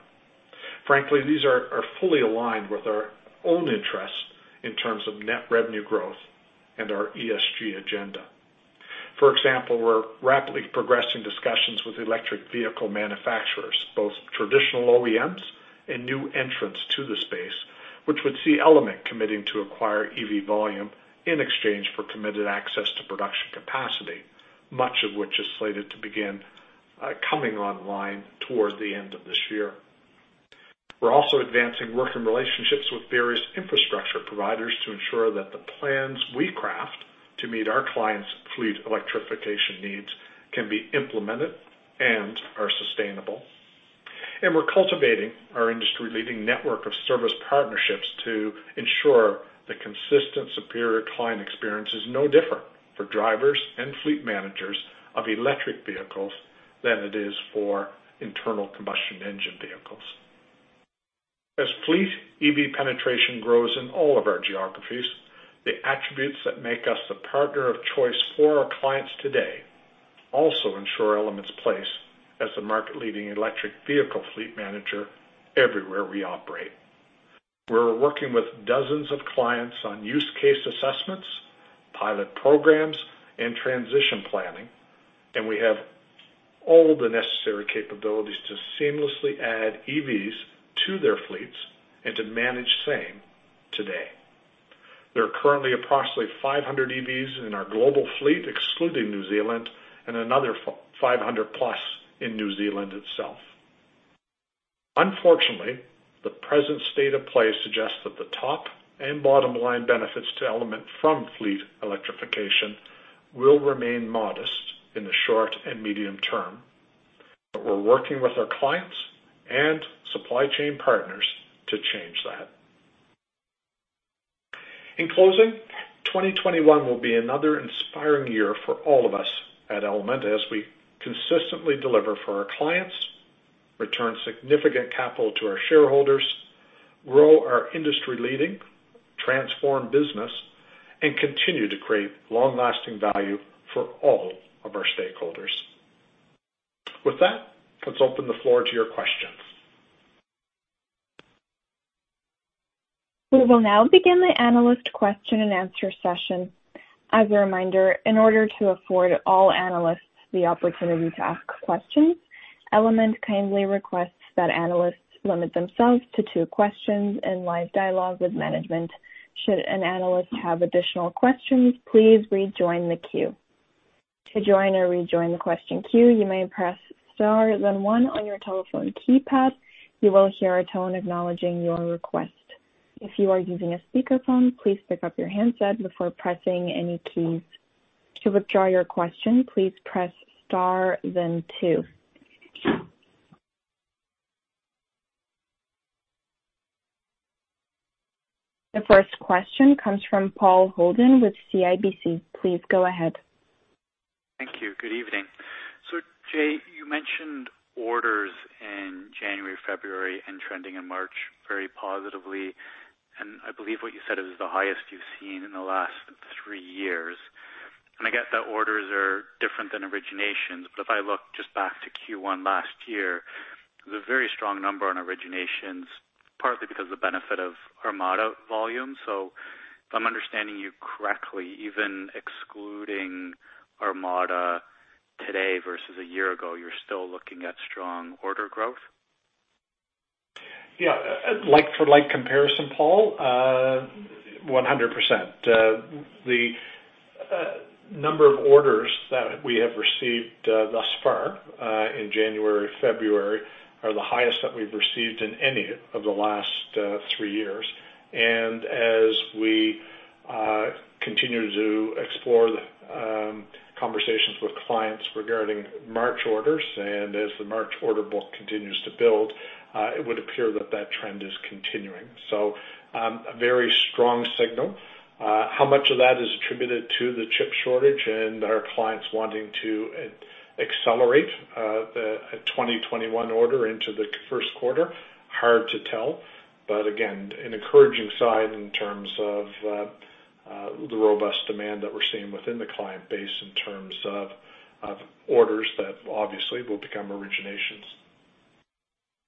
Frankly, these are fully aligned with our own interests in terms of net revenue growth and our ESG agenda. For example, we're rapidly progressing discussions with electric vehicle manufacturers, both traditional OEMs and new entrants to the space, which would see Element committing to acquire EV volume in exchange for committed access to production capacity, much of which is slated to begin coming online towards the end of this year. We're also advancing working relationships with various infrastructure providers to ensure that the plans we craft to meet our clients' fleet electrification needs can be implemented and are sustainable. We're cultivating our industry-leading network of service partnerships to ensure the consistent superior client experience is no different for drivers and fleet managers of electric vehicles than it is for internal-combustion-engine vehicles. As fleet EV penetration grows in all of our geographies, the attributes that make us the partner of choice for our clients today also ensure Element's place as the market-leading electric vehicle fleet manager everywhere we operate. We're working with dozens of clients on use-case assessments, pilot programs, and transition planning, and we have all the necessary capabilities to seamlessly add EVs to their fleets and to manage same today. There are currently approximately 500 EVs in our global fleet, excluding New Zealand, and another 500+ in New Zealand itself. Unfortunately, the present state of play suggests that the top and bottom-line benefits to Element from fleet electrification will remain modest in the short and medium term. We're working with our clients and supply chain partners to change that. In closing, 2021 will be another inspiring year for all of us at Element as we consistently deliver for our clients, return significant capital to our shareholders, grow our industry-leading transformed business, and continue to create long-lasting value for all of our stakeholders. With that, let's open the floor to your questions. We will now begin the analyst question-and-answer session. As a reminder, in order to afford all analysts the opportunity to ask questions, Element kindly requests that analysts limit themselves to two questions and live dialogue with management. Should an analyst have additional questions, please rejoin the queue. To join or rejoin the question queue, you may press star then one on your telephone keypad. You will hear a tone acknowledging your request, if you are using a speakerphone, please pick up your handset before pressing any keys. To withdraw your question, please press star then two. The first question comes from Paul Holden with CIBC. Please go ahead. Thank you. Good evening. Jay, you mentioned orders in January, February, and trending in March very positively, and I believe what you said it was the highest you've seen in the last three years. I get that orders are different than originations, but if I look just back to Q1 last year, it was a very strong number on originations, partly because of the benefit of Armada volume. If I'm understanding you correctly, even excluding Armada today versus a year ago, you're still looking at strong order growth? Yeah. Like for like comparison, Paul, 100%. The number of orders that we have received thus far, in January, February, are the highest that we've received in any of the last three years. As we continue to explore the conversations with clients regarding March orders, as the March order book continues to build, it would appear that that trend is continuing. A very strong signal. How much of that is attributed to the chip shortage and our clients wanting to accelerate the 2021 order into the first quarter, hard to tell. Again, an encouraging sign in terms of the robust demand that we're seeing within the client base in terms of orders that obviously will become originations.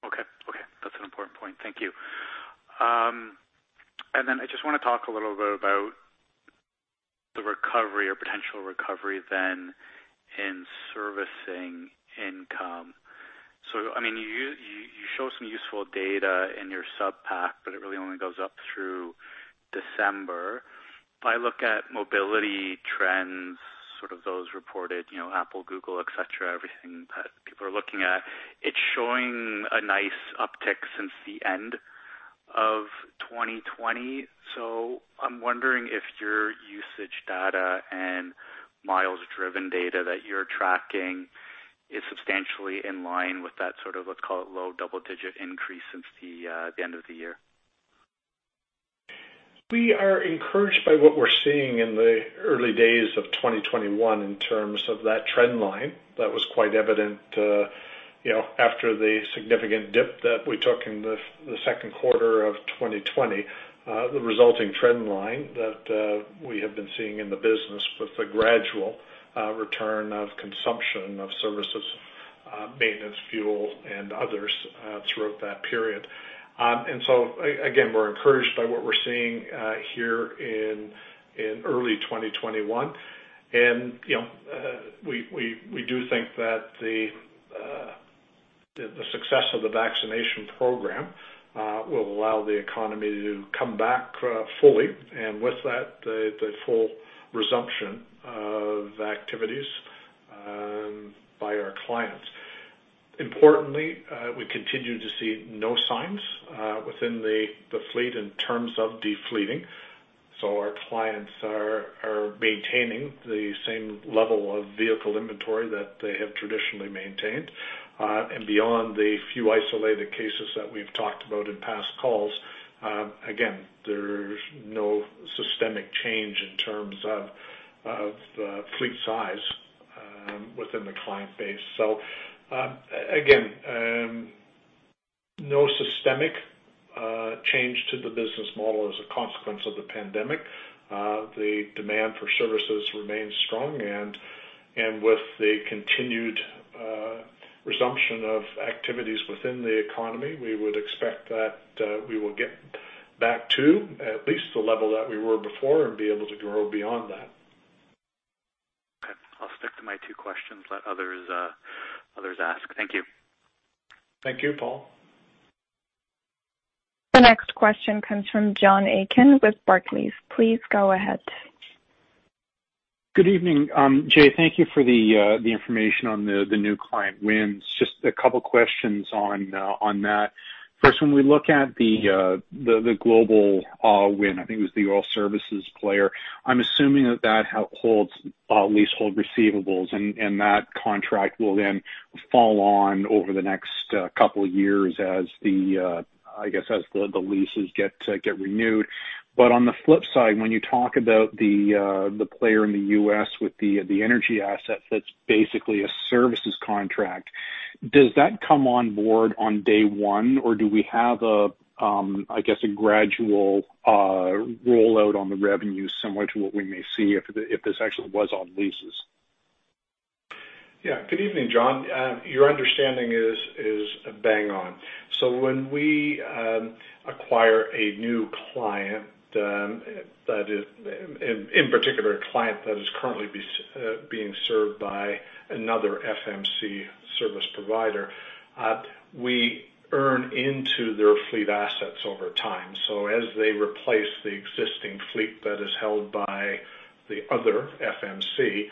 Okay. That's an important point. Thank you. I just want to talk a little bit about the recovery or potential recovery then in servicing income. You show some useful data in your supp pack, but it really only goes up through December. If I look at mobility trends, sort of those reported, Apple, Google, et cetera, everything that people are looking at, it's showing a nice uptick since the end of 2020. I'm wondering if your usage data and miles driven data that you're tracking is substantially in line with that sort of let's call it low double-digit increase since the end of the year. We are encouraged by what we're seeing in the early days of 2021 in terms of that trend line that was quite evident after the significant dip that we took in the second quarter of 2020, the resulting trend line that we have been seeing in the business with the gradual return of consumption of services, maintenance, fuel, and others, throughout that period. Again, we're encouraged by what we're seeing here in early 2021. We do think that the success of the vaccination program will allow the economy to come back fully, and with that, the full resumption of activities by our clients. Importantly, we continue to see no signs within the fleet in terms of de-fleeting. Our clients are maintaining the same level of vehicle inventory that they have traditionally maintained. Beyond the few isolated cases that we've talked about in past calls, again, there's no systemic change in terms of fleet size within the client base. Again, no systemic change to the business model as a consequence of the pandemic. The demand for services remains strong and with the continued resumption of activities within the economy, we would expect that we will get back to at least the level that we were before and be able to grow beyond that. Okay. I'll stick to my two questions, let others ask. Thank you. Thank you, Paul. The next question comes from John Aiken with Barclays. Please go ahead. Good evening. Jay, thank you for the information on the new client wins. Just a couple questions on that. First, when we look at the global win, I think it was the oil services player, I'm assuming that that holds leasehold receivables, and that contract will then fall on over the next couple of years as the leases get renewed. On the flip side, when you talk about the player in the U.S. with the energy asset that's basically a services contract, does that come on board on day one, or do we have a gradual rollout on the revenue, similar to what we may see if this actually was on leases? Good evening, John. Your understanding is bang on. When we acquire a new client, in particular, a client that is currently being served by another FMC service provider, we earn into their fleet assets over time. As they replace the existing fleet that is held by the other FMC,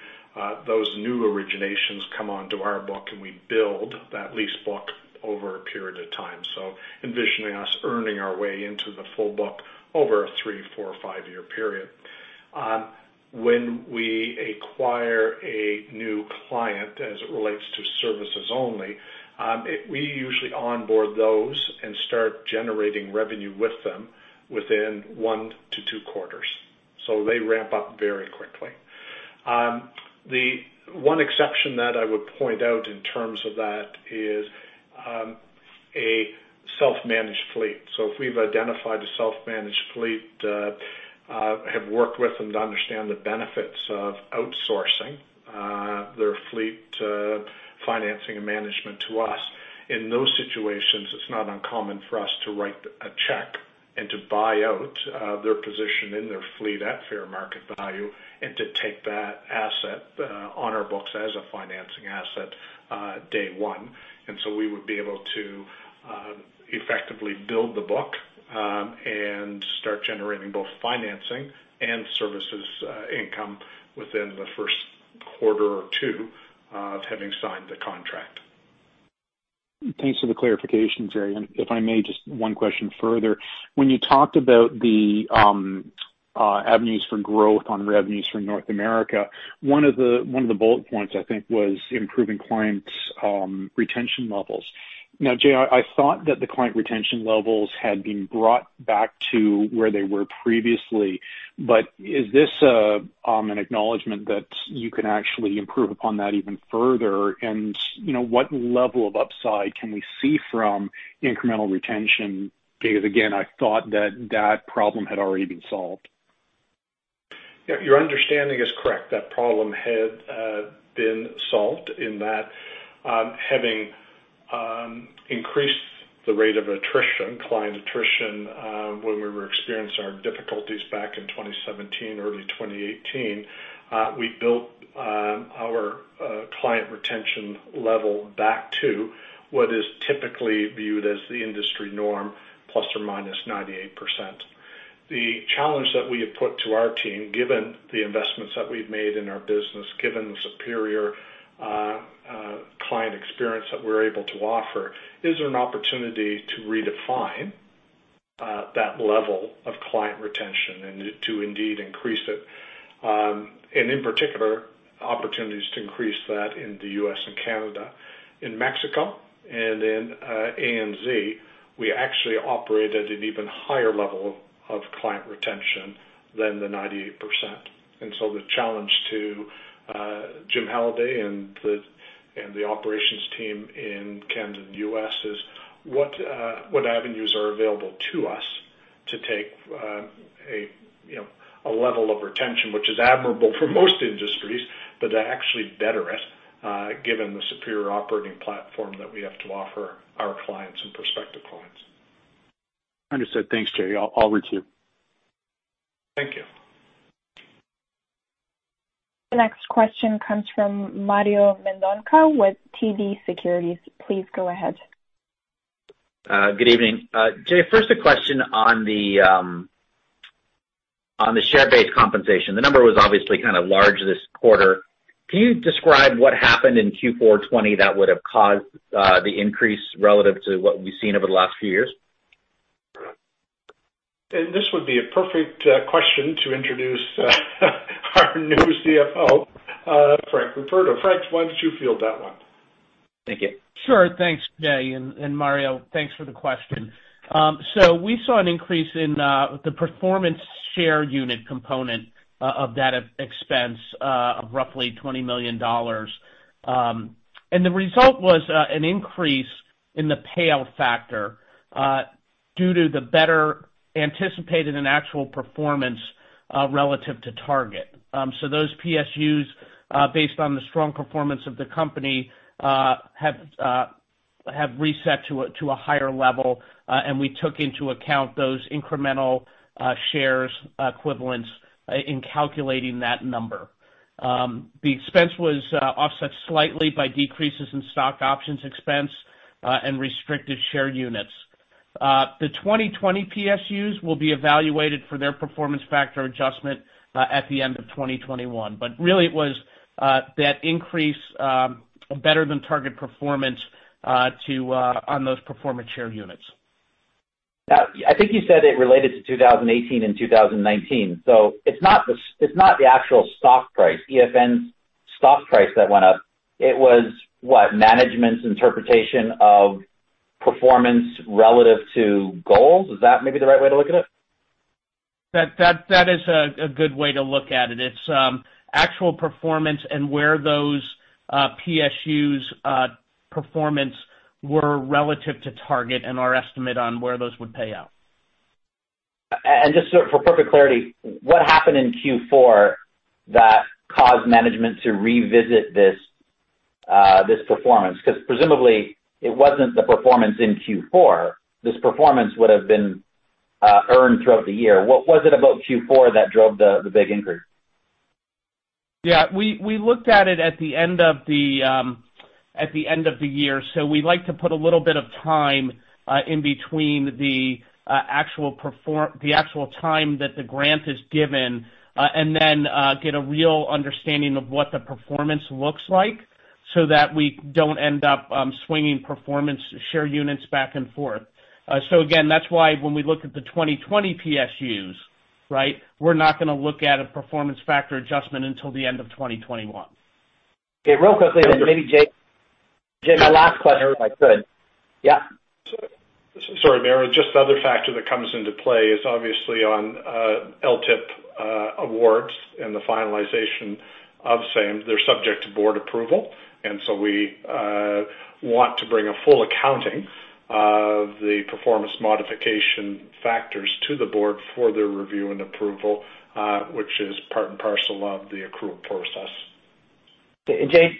those new originations come onto our book, and we build that lease book over a period of time. Envisioning us earning our way into the full book over a three, four, or five-year period. When we acquire a new client as it relates to services only, we usually onboard those and start generating revenue with them within one to two quarters, so they ramp up very quickly. The one exception that I would point out in terms of that is a self-managed fleet. If we've identified a self-managed fleet, have worked with them to understand the benefits of outsourcing their fleet financing and management to us. In those situations, it is not uncommon for us to write a check and to buy out their position in their fleet at fair market value, and to take that asset on our books as a financing asset day one. We would be able to effectively build the book, and start generating both financing and services income within the first quarter or two of having signed the contract. Thanks for the clarification, Jay. If I may, just one question further. When you talked about the avenues for growth on revenues from North America, one of the bullet points, I think, was improving clients' retention levels. Now, Jay, I thought that the client retention levels had been brought back to where they were previously, but is this an acknowledgement that you can actually improve upon that even further? What level of upside can we see from incremental retention? Because, again, I thought that that problem had already been solved. Yeah, your understanding is correct. That problem had been solved in that having increased the rate of attrition, client attrition, when we were experiencing our difficulties back in 2017, early 2018, we built our client retention level back to what is typically viewed as the industry norm, ±98%. The challenge that we have put to our team, given the investments that we've made in our business, given the superior client experience that we're able to offer, is there an opportunity to redefine that level of client retention and to indeed increase it, and in particular, opportunities to increase that in the U.S. and Canada. In Mexico and in ANZ, we actually operate at an even higher level of client retention than the 98%. The challenge to Jim Halliday and the operations team in Canada and U.S. is what avenues are available to us to take a level of retention, which is admirable for most industries, but to actually better it, given the superior operating platform that we have to offer our clients and prospective clients. Understood. Thanks, Jay. I'll requeue. Thank you. The next question comes from Mario Mendonca with TD Securities. Please go ahead. Good evening. Jay, first a question on the share-based compensation. The number was obviously kind of large this quarter. Can you describe what happened in Q4 2020 that would've caused the increase relative to what we've seen over the last few years? This would be a perfect question to introduce our new CFO, Frank Ruperto. Frank, why don't you field that one? Thank you. Sure. Thanks, Jay, and Mario, thanks for the question. We saw an increase in the performance share unit component of that expense of roughly 20 million dollars. The result was an increase in the payout factor due to the better anticipated and actual performance relative to target. Those PSUs, based on the strong performance of the company, have reset to a higher level, and we took into account those incremental shares equivalents in calculating that number. The expense was offset slightly by decreases in stock options expense and restricted share units. The 2020 PSUs will be evaluated for their performance factor adjustment at the end of 2021. Really it was that increase better than target performance on those performance share units. I think you said it related to 2018 and 2019. It's not the actual stock price, EFN's stock price that went up. It was what? Management's interpretation of performance relative to goals. Is that maybe the right way to look at it? That is a good way to look at it. It's actual performance and where those PSUs performance were relative to target and our estimate on where those would pay out. Just for perfect clarity, what happened in Q4 that caused management to revisit this performance? Presumably it wasn't the performance in Q4. This performance would have been earned throughout the year. What was it about Q4 that drove the big increase? Yeah. We looked at it at the end of the year. We like to put a little bit of time in between the actual time that the grant is given, and then get a real understanding of what the performance looks like so that we don't end up swinging performance share units back and forth. Again, that's why when we look at the 2020 PSUs, we're not going to look at a performance factor adjustment until the end of 2021. Okay. Real quickly then maybe Jay, my last question if I could. Yeah. Sorry, Mario. Just the other factor that comes into play is obviously on LTIP awards and the finalization of same. They're subject to board approval. We want to bring a full accounting of the performance modification factors to the board for their review and approval, which is part and parcel of the accrual process. Jay,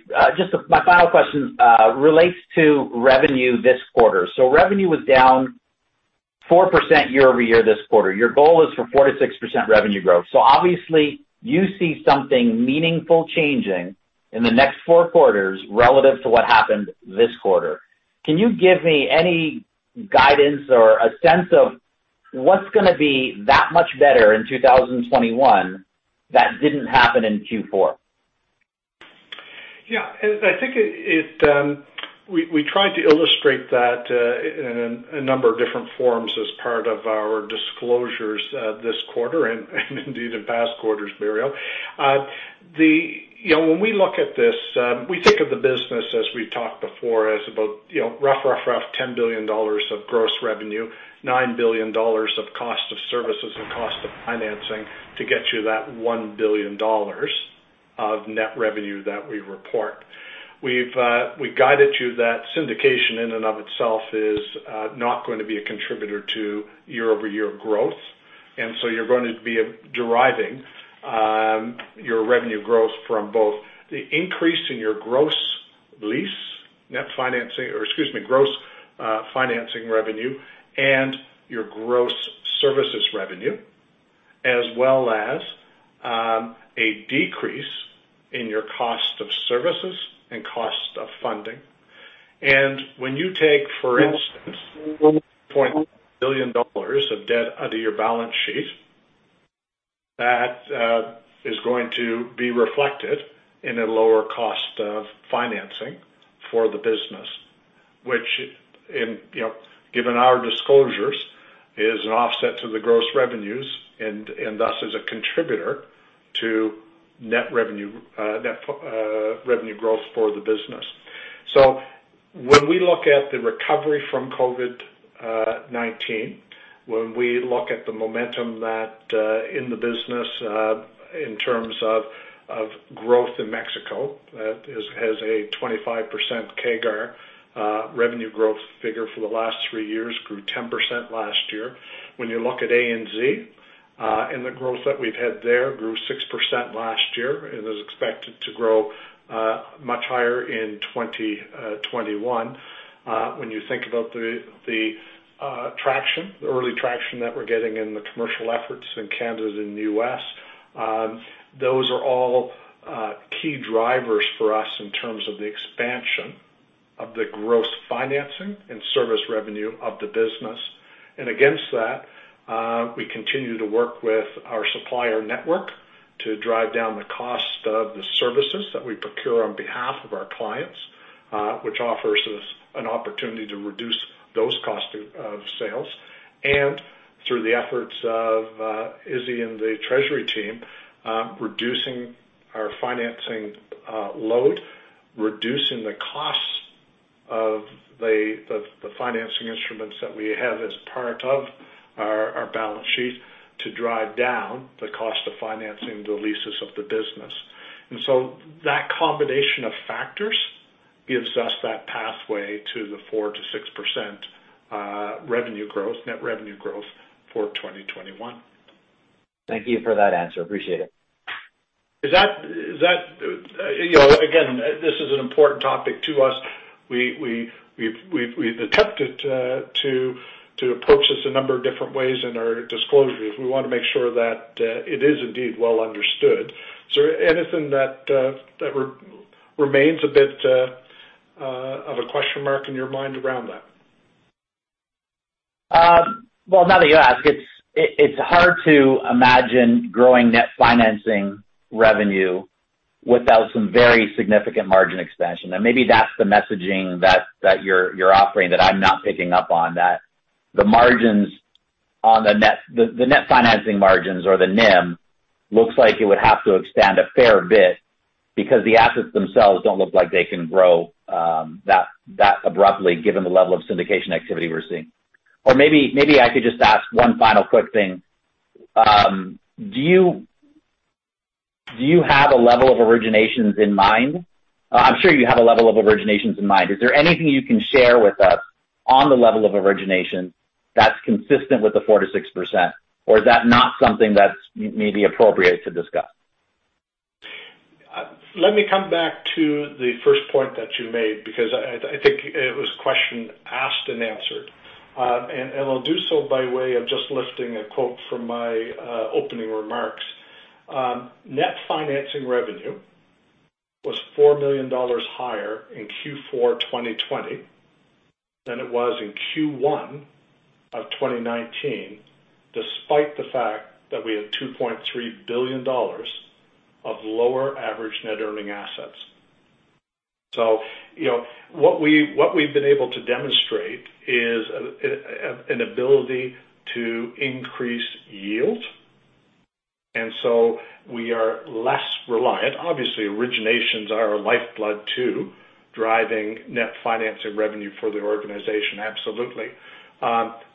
my final question relates to revenue this quarter. Revenue was down 4% year-over-year this quarter. Your goal is for 4%-6% revenue growth. Obviously you see something meaningful changing in the next four quarters relative to what happened this quarter. Can you give me any guidance or a sense of what's going to be that much better in 2021 that didn't happen in Q4? Yeah, I think we tried to illustrate that in a number of different forms as part of our disclosures this quarter and indeed in past quarters, Mario. When we look at this, we think of the business, as we've talked before, as about rough 10 billion dollars of gross revenue, 9 billion dollars of cost of services and cost of financing to get you that 1 billion dollars of net revenue that we report. We've guided you that syndication in and of itself is not going to be a contributor to year-over-year growth. So you're going to be deriving your revenue growth from both the increase in your gross lease net financing, or excuse me, gross financing revenue and your gross services revenue, as well as a decrease in your cost of services and cost of funding. When you take, for instance, 1.6 billion dollars of debt under your balance sheet, that is going to be reflected in a lower cost of financing for the business. Which given our disclosures, is an offset to the gross revenues and thus is a contributor to net revenue growth for the business. When we look at the recovery from COVID-19, when we look at the momentum that in the business in terms of growth in Mexico that has a 25% CAGR revenue growth figure for the last three years, grew 10% last year. When you look at ANZ and the growth that we've had there grew 6% last year and is expected to grow much higher in 2021. When you think about the early traction that we're getting in the commercial efforts in Canada and the U.S., those are all key drivers for us in terms of the expansion of the gross financing and service revenue of the business. Against that, we continue to work with our supplier network to drive down the cost of the services that we procure on behalf of our clients which offers us an opportunity to reduce those cost of sales. Through the efforts of Izzy and the treasury team reducing our financing load, reducing the costs of the financing instruments that we have as part of our balance sheet to drive down the cost of financing the leases of the business. That combination of factors gives us that pathway to the 4%-6% net revenue growth for 2021. Thank you for that answer. Appreciate it. Again, this is an important topic to us. We've attempted to approach this a number of different ways in our disclosures. We want to make sure that it is indeed well understood. Is there anything that remains a bit of a question mark in your mind around that? Well, now that you ask, it's hard to imagine growing net financing revenue without some very significant margin expansion. Maybe that's the messaging that you're offering that I'm not picking up on, that the net financing margins, or the NIM, looks like it would have to expand a fair bit because the assets themselves don't look like they can grow that abruptly given the level of syndication activity we're seeing. Maybe I could just ask one final quick thing. Do you have a level of originations in mind? I'm sure you have a level of originations in mind. Is there anything you can share with us on the level of origination that's consistent with the 4%-6%, or is that not something that's maybe appropriate to discuss? Let me come back to the first point that you made, because I think it was a question asked and answered. I'll do so by way of just lifting a quote from my opening remarks. Net financing revenue was 4 million dollars higher in Q4 2020 than it was in Q1 2019, despite the fact that we had 2.3 billion dollars of lower average net earning assets. What we've been able to demonstrate is an ability to increase yield. We are less reliant. Obviously, originations are our lifeblood to driving net financing revenue for the organization, absolutely.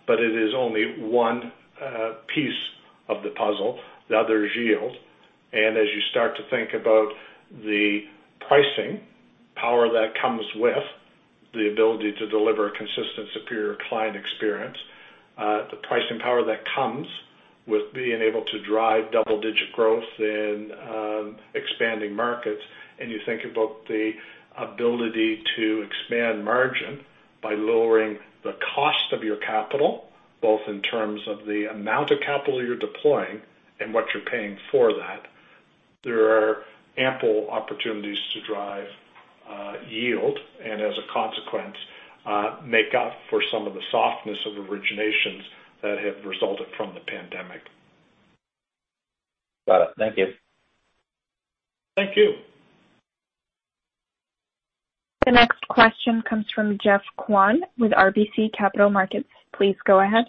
It is only one piece of the puzzle. The other is yield. As you start to think about the pricing power that comes with the ability to deliver a consistent, superior client experience, the pricing power that comes with being able to drive double-digit growth in expanding markets, and you think about the ability to expand margin by lowering the cost of your capital, both in terms of the amount of capital you're deploying and what you're paying for that, there are ample opportunities to drive yield, and as a consequence, make up for some of the softness of originations that have resulted from the pandemic. Got it. Thank you. Thank you. The next question comes from Geoff Kwan with RBC Capital Markets. Please go ahead.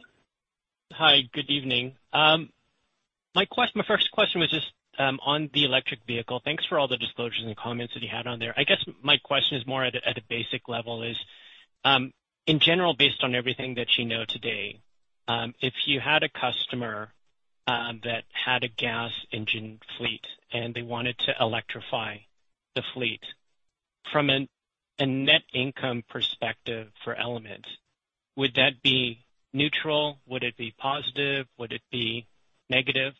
Hi. Good evening. My first question was just on the electric vehicle. Thanks for all the disclosures and comments that you had on there. I guess my question is more at a basic level is, in general, based on everything that you know today, if you had a customer that had a gas engine fleet and they wanted to electrify the fleet, from a net income perspective for Element, would that be neutral? Would it be positive? Would it be negative?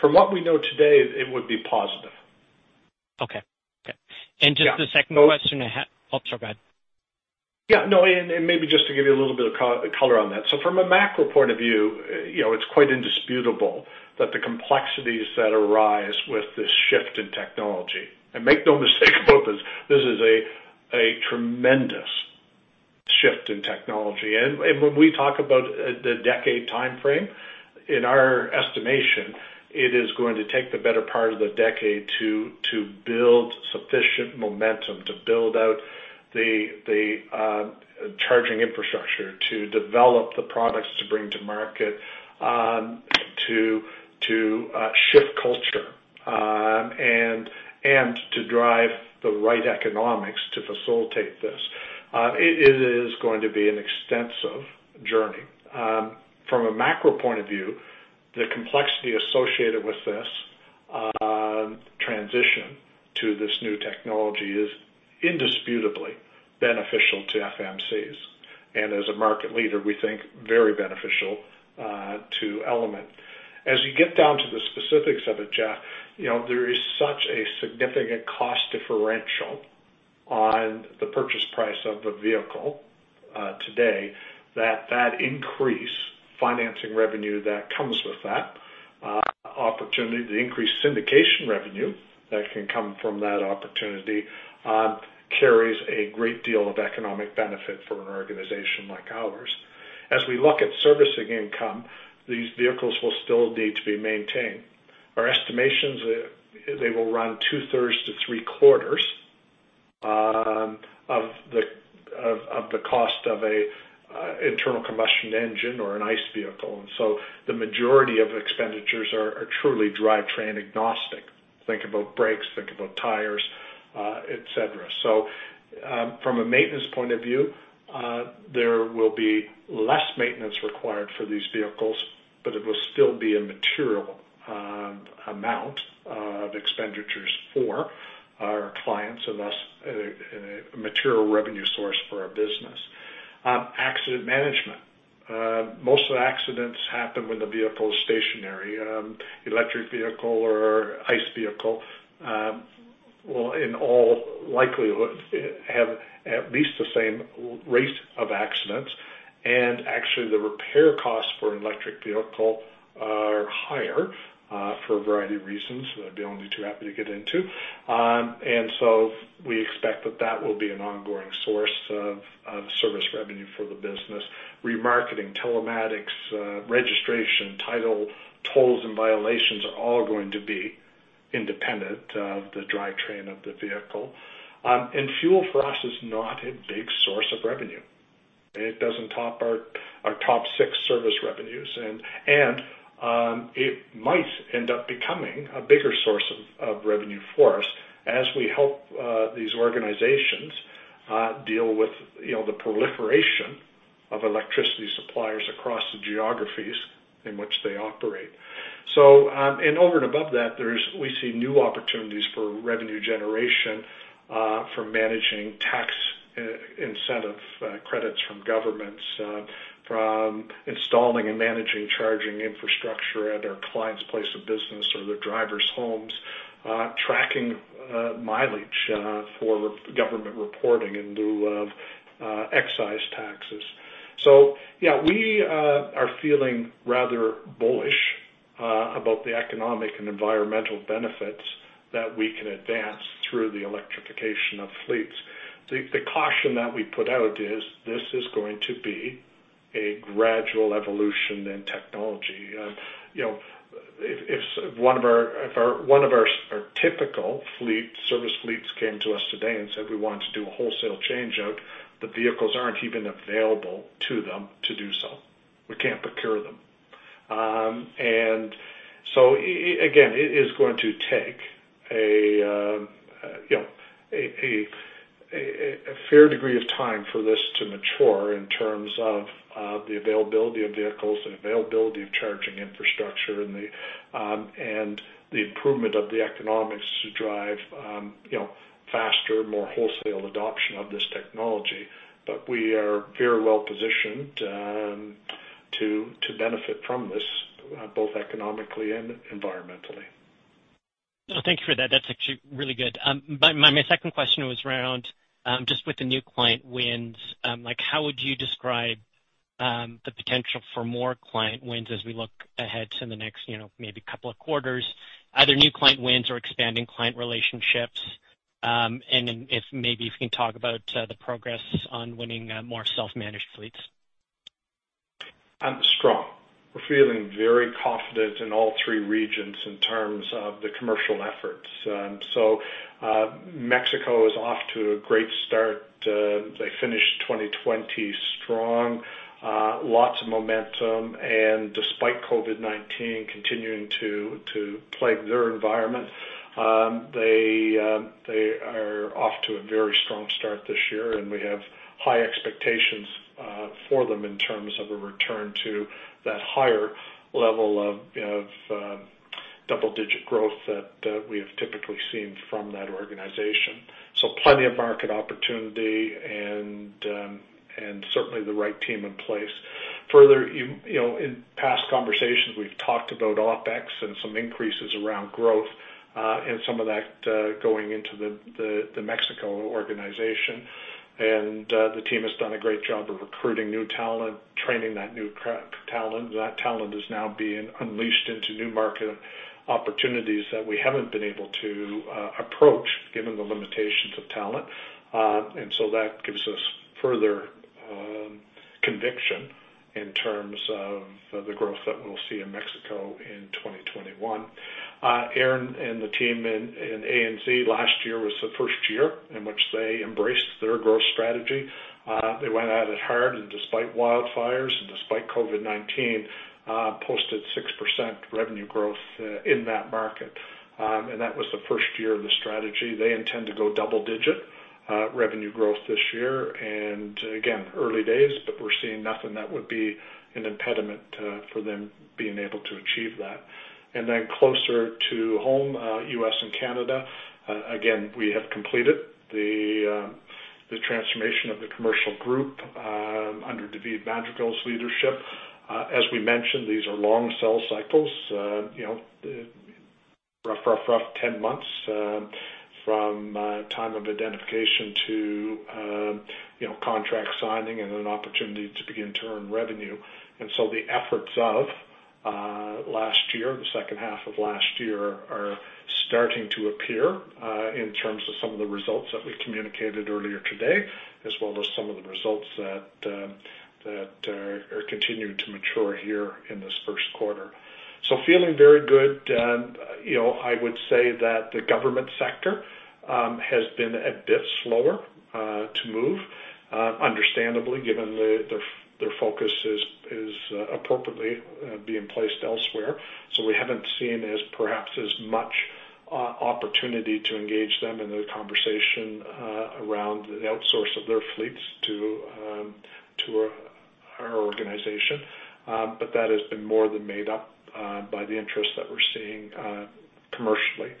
From what we know today, it would be positive. Okay. Oh, sorry. Go ahead. Yeah, no. Maybe just to give you a little bit of color on that. From a macro point of view, it's quite indisputable that the complexities that arise with this shift in technology, and make no mistake about this is a tremendous shift in technology. When we talk about the decade timeframe, in our estimation, it is going to take the better part of the decade to build sufficient momentum, to build out the charging infrastructure, to develop the products to bring to market, to shift culture, and to drive the right economics to facilitate this. It is going to be an extensive journey. From a macro point of view, the complexity associated with this transition to this new technology is indisputably beneficial to FMCs, and as a market leader, we think very beneficial to Element. As you get down to the specifics of it, Geoff, there is such a significant cost differential on the purchase price of a vehicle today that increase financing revenue that comes with that opportunity, the increased syndication revenue that can come from that opportunity carries a great deal of economic benefit for an organization like ours. As we look at servicing income, these vehicles will still need to be maintained. Our estimations, they will run two-thirds to three-quarters of the cost of an internal combustion engine or an ICE vehicle. The majority of expenditures are truly drivetrain agnostic. Think about brakes, think about tires, et cetera. From a maintenance point of view, there will be less maintenance required for these vehicles, but it will still be a material amount of expenditures for our clients and thus a material revenue source for our business. Accident management. Most accidents happen when the vehicle is stationary. Electric vehicle or ICE vehicle, will, in all likelihood, have at least the same rate of accidents. Actually, the repair costs for an electric vehicle are higher for a variety of reasons that I'd be only too happy to get into. We expect that that will be an ongoing source of service revenue for the business. Remarketing, telematics, registration, title, tolls, and violations are all going to be independent of the drivetrain of the vehicle. Fuel for us is not a big source of revenue. It doesn't top our top six service revenues. It might end up becoming a bigger source of revenue for us as we help these organizations deal with the proliferation of electricity suppliers across the geographies in which they operate. Over and above that, we see new opportunities for revenue generation from managing tax incentive credits from governments, from installing and managing charging infrastructure at our clients' place of business or their drivers' homes, tracking mileage for government reporting in lieu of excise taxes. Yeah, we are feeling rather bullish about the economic and environmental benefits that we can advance through the electrification of fleets. The caution that we put out is this is going to be a gradual evolution in technology. If one of our typical service fleets came to us today and said, "We want to do a wholesale changeout," the vehicles aren't even available to them to do so. We can't procure them. Again, it is going to take a fair degree of time for this to mature in terms of the availability of vehicles and availability of charging infrastructure and the improvement of the economics to drive faster, more wholesale adoption of this technology. We are very well positioned to benefit from this both economically and environmentally. No, thank you for that. That's actually really good. My second question was around just with the new client wins, how would you describe the potential for more client wins as we look ahead to the next maybe couple of quarters, either new client wins or expanding client relationships? Then if maybe if you can talk about the progress on winning more self-managed fleets? Strong. We're feeling very confident in all three regions in terms of the commercial efforts. Mexico is off to a great start. They finished 2020 strong, lots of momentum, and despite COVID-19 continuing to plague their environment, they are off to a very strong start this year, and we have high expectations for them in terms of a return to that higher level of double-digit growth that we have typically seen from that organization. Plenty of market opportunity and certainly the right team in place. In past conversations, we've talked about OpEx and some increases around growth, and some of that going into the Mexico organization. The team has done a great job of recruiting new talent, training that new talent. That talent is now being unleashed into new market opportunities that we haven't been able to approach given the limitations of talent. That gives us further conviction in terms of the growth that we'll see in Mexico in 2021. Aaron and the team in ANZ last year was the first year in which they embraced their growth strategy. They went at it hard and despite wildfires and despite COVID-19, posted 6% revenue growth in that market. That was the first year of the strategy. They intend to go double-digit revenue growth this year. Again, early days, but we're seeing nothing that would be an impediment for them being able to achieve that. Closer to home, U.S. and Canada, again, we have completed the transformation of the commercial group under David Madrigal's leadership. As we mentioned, these are long sell cycles. Rough 10 months from time of identification to contract signing and an opportunity to begin to earn revenue. The efforts of last year, the second half of last year, are starting to appear in terms of some of the results that we communicated earlier today, as well as some of the results that are continuing to mature here in this first quarter. Feeling very good. I would say that the government sector has been a bit slower to move. Understandably, given their focus is appropriately being placed elsewhere. We haven't seen perhaps as much opportunity to engage them in the conversation around the outsource of their fleets to our organization. That has been more than made up by the interest that we're seeing commercially.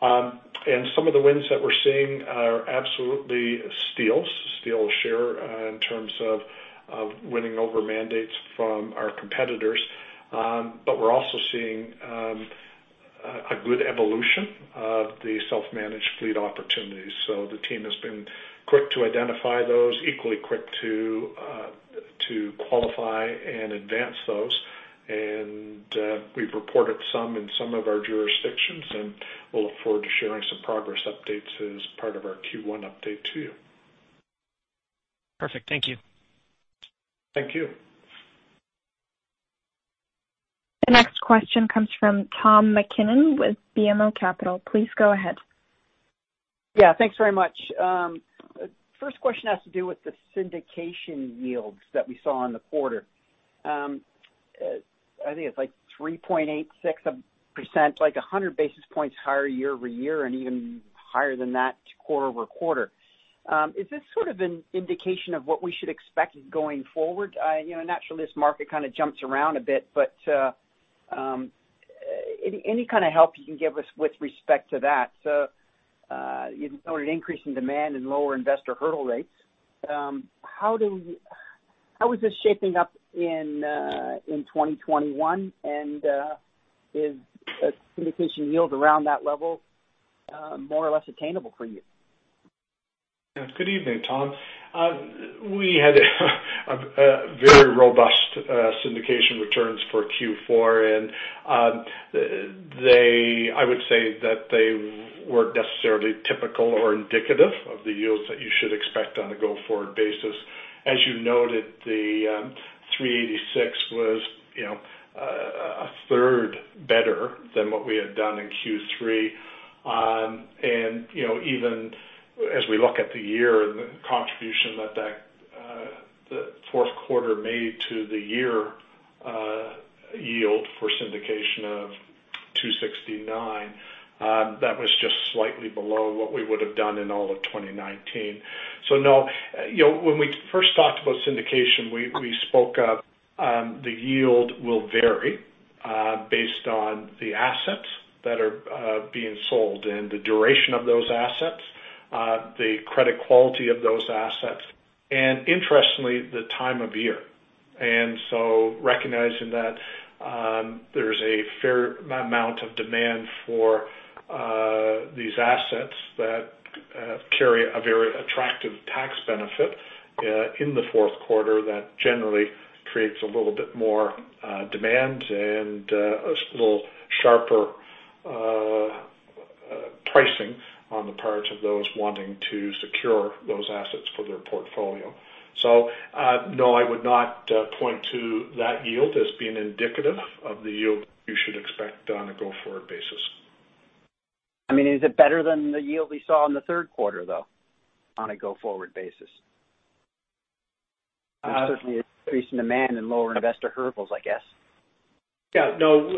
Some of the wins that we're seeing are absolutely steals. Steal share in terms of winning over mandates from our competitors. We're also seeing a good evolution of the self-managed fleet opportunities. The team has been quick to identify those, equally quick to qualify and advance those, and we've reported some in some of our jurisdictions, and we'll look forward to sharing some progress updates as part of our Q1 update to you. Perfect. Thank you. Thank you. The next question comes from Tom MacKinnon with BMO Capital. Please go ahead. Yeah. Thanks very much. First question has to do with the syndication yields that we saw in the quarter. I think it's like 3.86%, like 100 basis points higher year-over-year and even higher than that quarter-over-quarter. Is this sort of an indication of what we should expect going forward? Naturally, this market kind of jumps around a bit. Any kind of help you can give us with respect to that. An increase in demand and lower investor hurdle rates, how is this shaping up in 2021? Is a syndication yield around that level more or less attainable for you? Good evening, Tom. We had a very robust syndication returns for Q4. I would say that they weren't necessarily typical or indicative of the yields that you should expect on a go-forward basis. As you noted, the 386 was a third better than what we had done in Q3. Even as we look at the year and the contribution that the fourth quarter made to the year yield for syndication of 269, that was just slightly below what we would have done in all of 2019. No. When we first talked about syndication, we spoke of the yield will vary based on the assets that are being sold and the duration of those assets, the credit quality of those assets, and interestingly, the time of year. Recognizing that there's a fair amount of demand for these assets that carry a very attractive tax benefit in the fourth quarter, that generally creates a little bit more demand and a little sharper pricing on the part of those wanting to secure those assets for their portfolio. No, I would not point to that yield as being indicative of the yield you should expect on a go-forward basis. Is it better than the yield we saw in the third quarter, though, on a go-forward basis? Certainly increase in demand and lower investor hurdles, I guess. Yeah. No.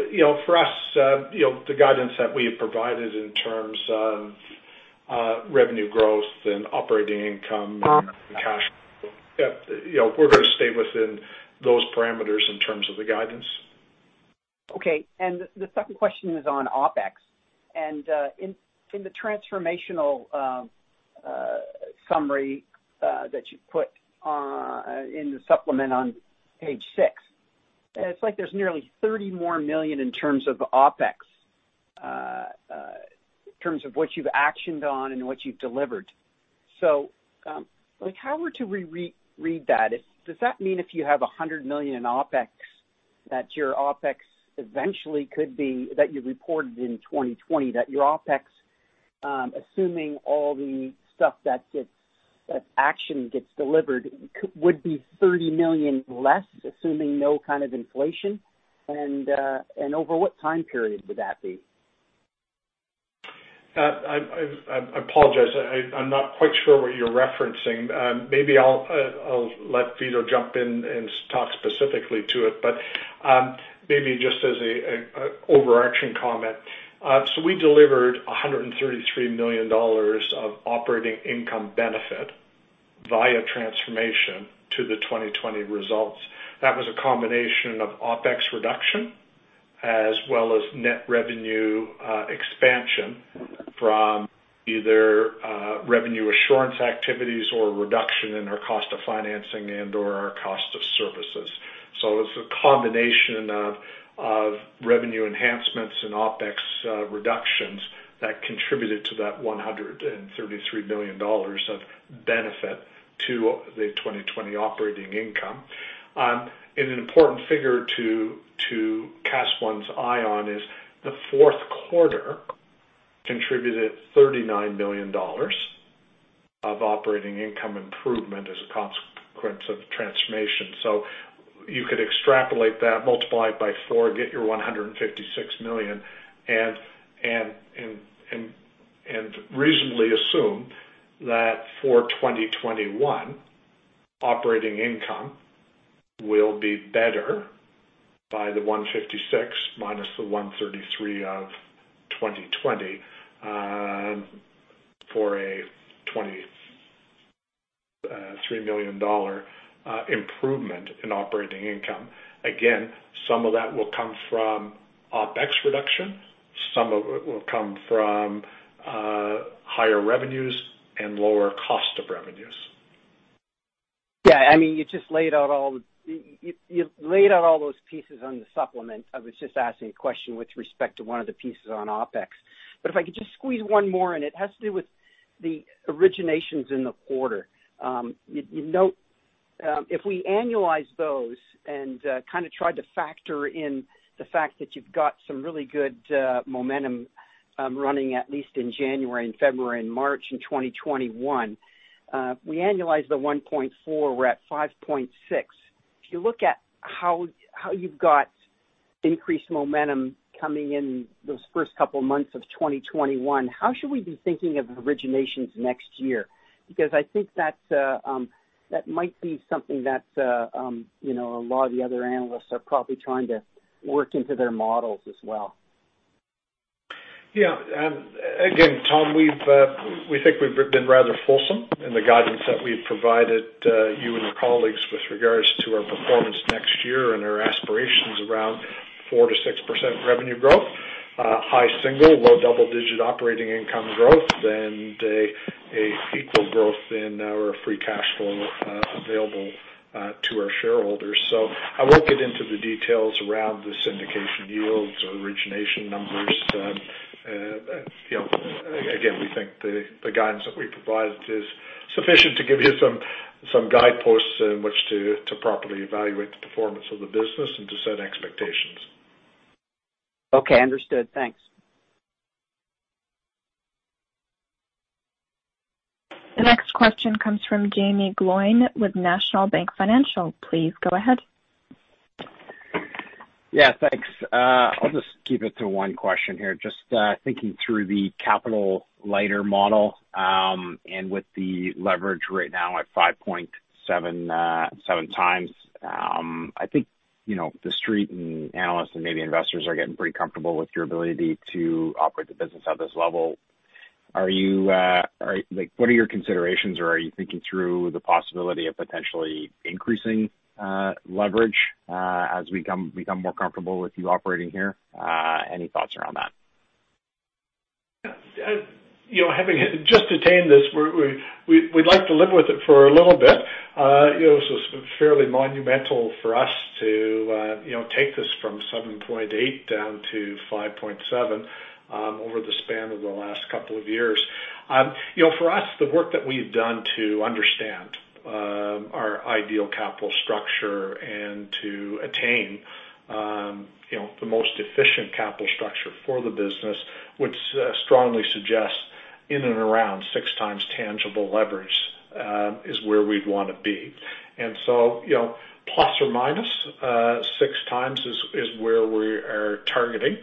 For us, the guidance that we have provided in terms of revenue growth and operating income and cash, we're going to stay within those parameters in terms of the guidance. Okay. The second question is on OpEx. In the transformational summary that you put in the supplement on page six, it's like there's nearly 30 million more in terms of OpEx, in terms of what you've actioned on and what you've delivered. How we're to read that? Does that mean if you have 100 million in OpEx, that your OpEx eventually could be, that you reported in 2020, that your OpEx, assuming all the stuff that action gets delivered, would be 30 million less, assuming no kind of inflation? Over what time period would that be? I apologize. I'm not quite sure what you're referencing. Maybe I'll let Vito jump in and talk specifically to it. Maybe just as an overarching comment. We delivered 133 million dollars of operating income benefit via transformation to the 2020 results. That was a combination of OpEx reduction as well as net revenue expansion from either revenue assurance activities or reduction in our cost of financing and/or our cost of services. It's a combination of revenue enhancements and OpEx reductions that contributed to that 133 million dollars of benefit to the 2020 operating income. An important figure to cast one's eye on is the fourth quarter contributed 39 million dollars of operating income improvement as a consequence of the transformation. You could extrapolate that, multiply it by four, get your 156 million, and reasonably assume that for 2021, operating income will be better by the 156 minus the 133 of 2020, for a 23 million dollar improvement in operating income. Again, some of that will come from OpEx reduction. Some of it will come from higher revenues and lower cost of revenues. Yeah. You laid out all those pieces on the supplement. I was just asking a question with respect to one of the pieces on OpEx. If I could just squeeze one more in, it has to do with the originations in the quarter. If we annualize those and try to factor in the fact that you've got some really good momentum running, at least in January and February and March in 2021. We annualize the 1.4, we're at 5.6. If you look at how you've got increased momentum coming in those first couple of months of 2021, how should we be thinking of originations next year? I think that might be something that a lot of the other analysts are probably trying to work into their models as well. Yeah. Again, Tom, we think we've been rather fulsome in the guidance that we've provided you and your colleagues with regards to our performance next year and our aspirations around 4%-6% revenue growth. High single, low double-digit operating income growth, and an equal growth in our free cash flow available to our shareholders. I won't get into the details around the syndication yields or origination numbers. Again, we think the guidance that we provided is sufficient to give you some guideposts in which to properly evaluate the performance of the business and to set expectations. Okay, understood. Thanks. The next question comes from Jaeme Gloyn with National Bank Financial. Please go ahead. Yeah, thanks. I'll just keep it to one question here. Just thinking through the capital-lighter model, and with the leverage right now at 5.7 times. I think the Street and analysts and maybe investors are getting pretty comfortable with your ability to operate the business at this level. What are your considerations, or are you thinking through the possibility of potentially increasing leverage as we become more comfortable with you operating here? Any thoughts around that? Having just attained this, we'd like to live with it for a little bit. This was fairly monumental for us to take this from 7.8 down to 5.7 over the span of the last couple of years. For us, the work that we've done to understand our ideal capital structure and to attain the most efficient capital structure for the business, which strongly suggests in and around six times tangible leverage is where we'd want to be. Plus or minus six times is where we are targeting.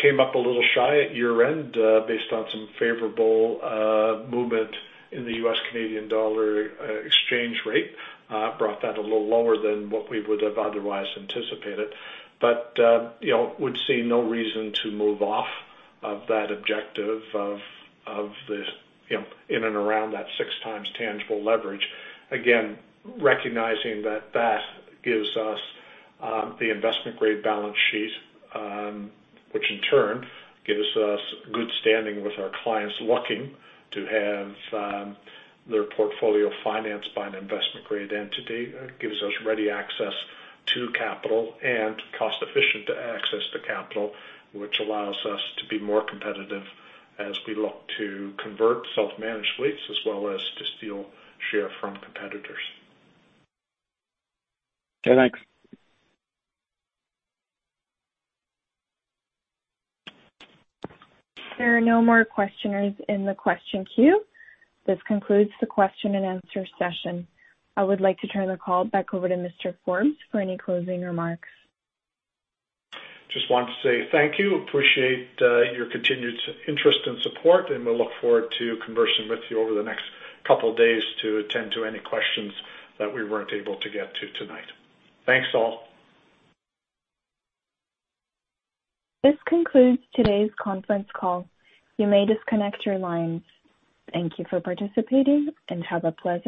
Came up a little shy at year-end based on some favorable movement in the U.S., Canadian dollar exchange rate. Brought that a little lower than what we would have otherwise anticipated. We'd see no reason to move off of that objective of in and around that six times tangible leverage. Recognizing that that gives us the investment-grade balance sheet, which in turn gives us good standing with our clients looking to have their portfolio financed by an investment-grade entity. Gives us ready access to capital and cost-efficient access to capital, which allows us to be more competitive as we look to convert self-managed fleets as well as to steal share from competitors. Okay, thanks. There are no more questioners in the question queue. This concludes the question and answer session. I would like to turn the call back over to Mr. Forbes for any closing remarks. Just wanted to say thank you. Appreciate your continued interest and support, and we'll look forward to conversing with you over the next couple of days to attend to any questions that we weren't able to get to tonight. Thanks all. This concludes today's conference call. You may disconnect your lines. Thank you for participating and have a pleasant day.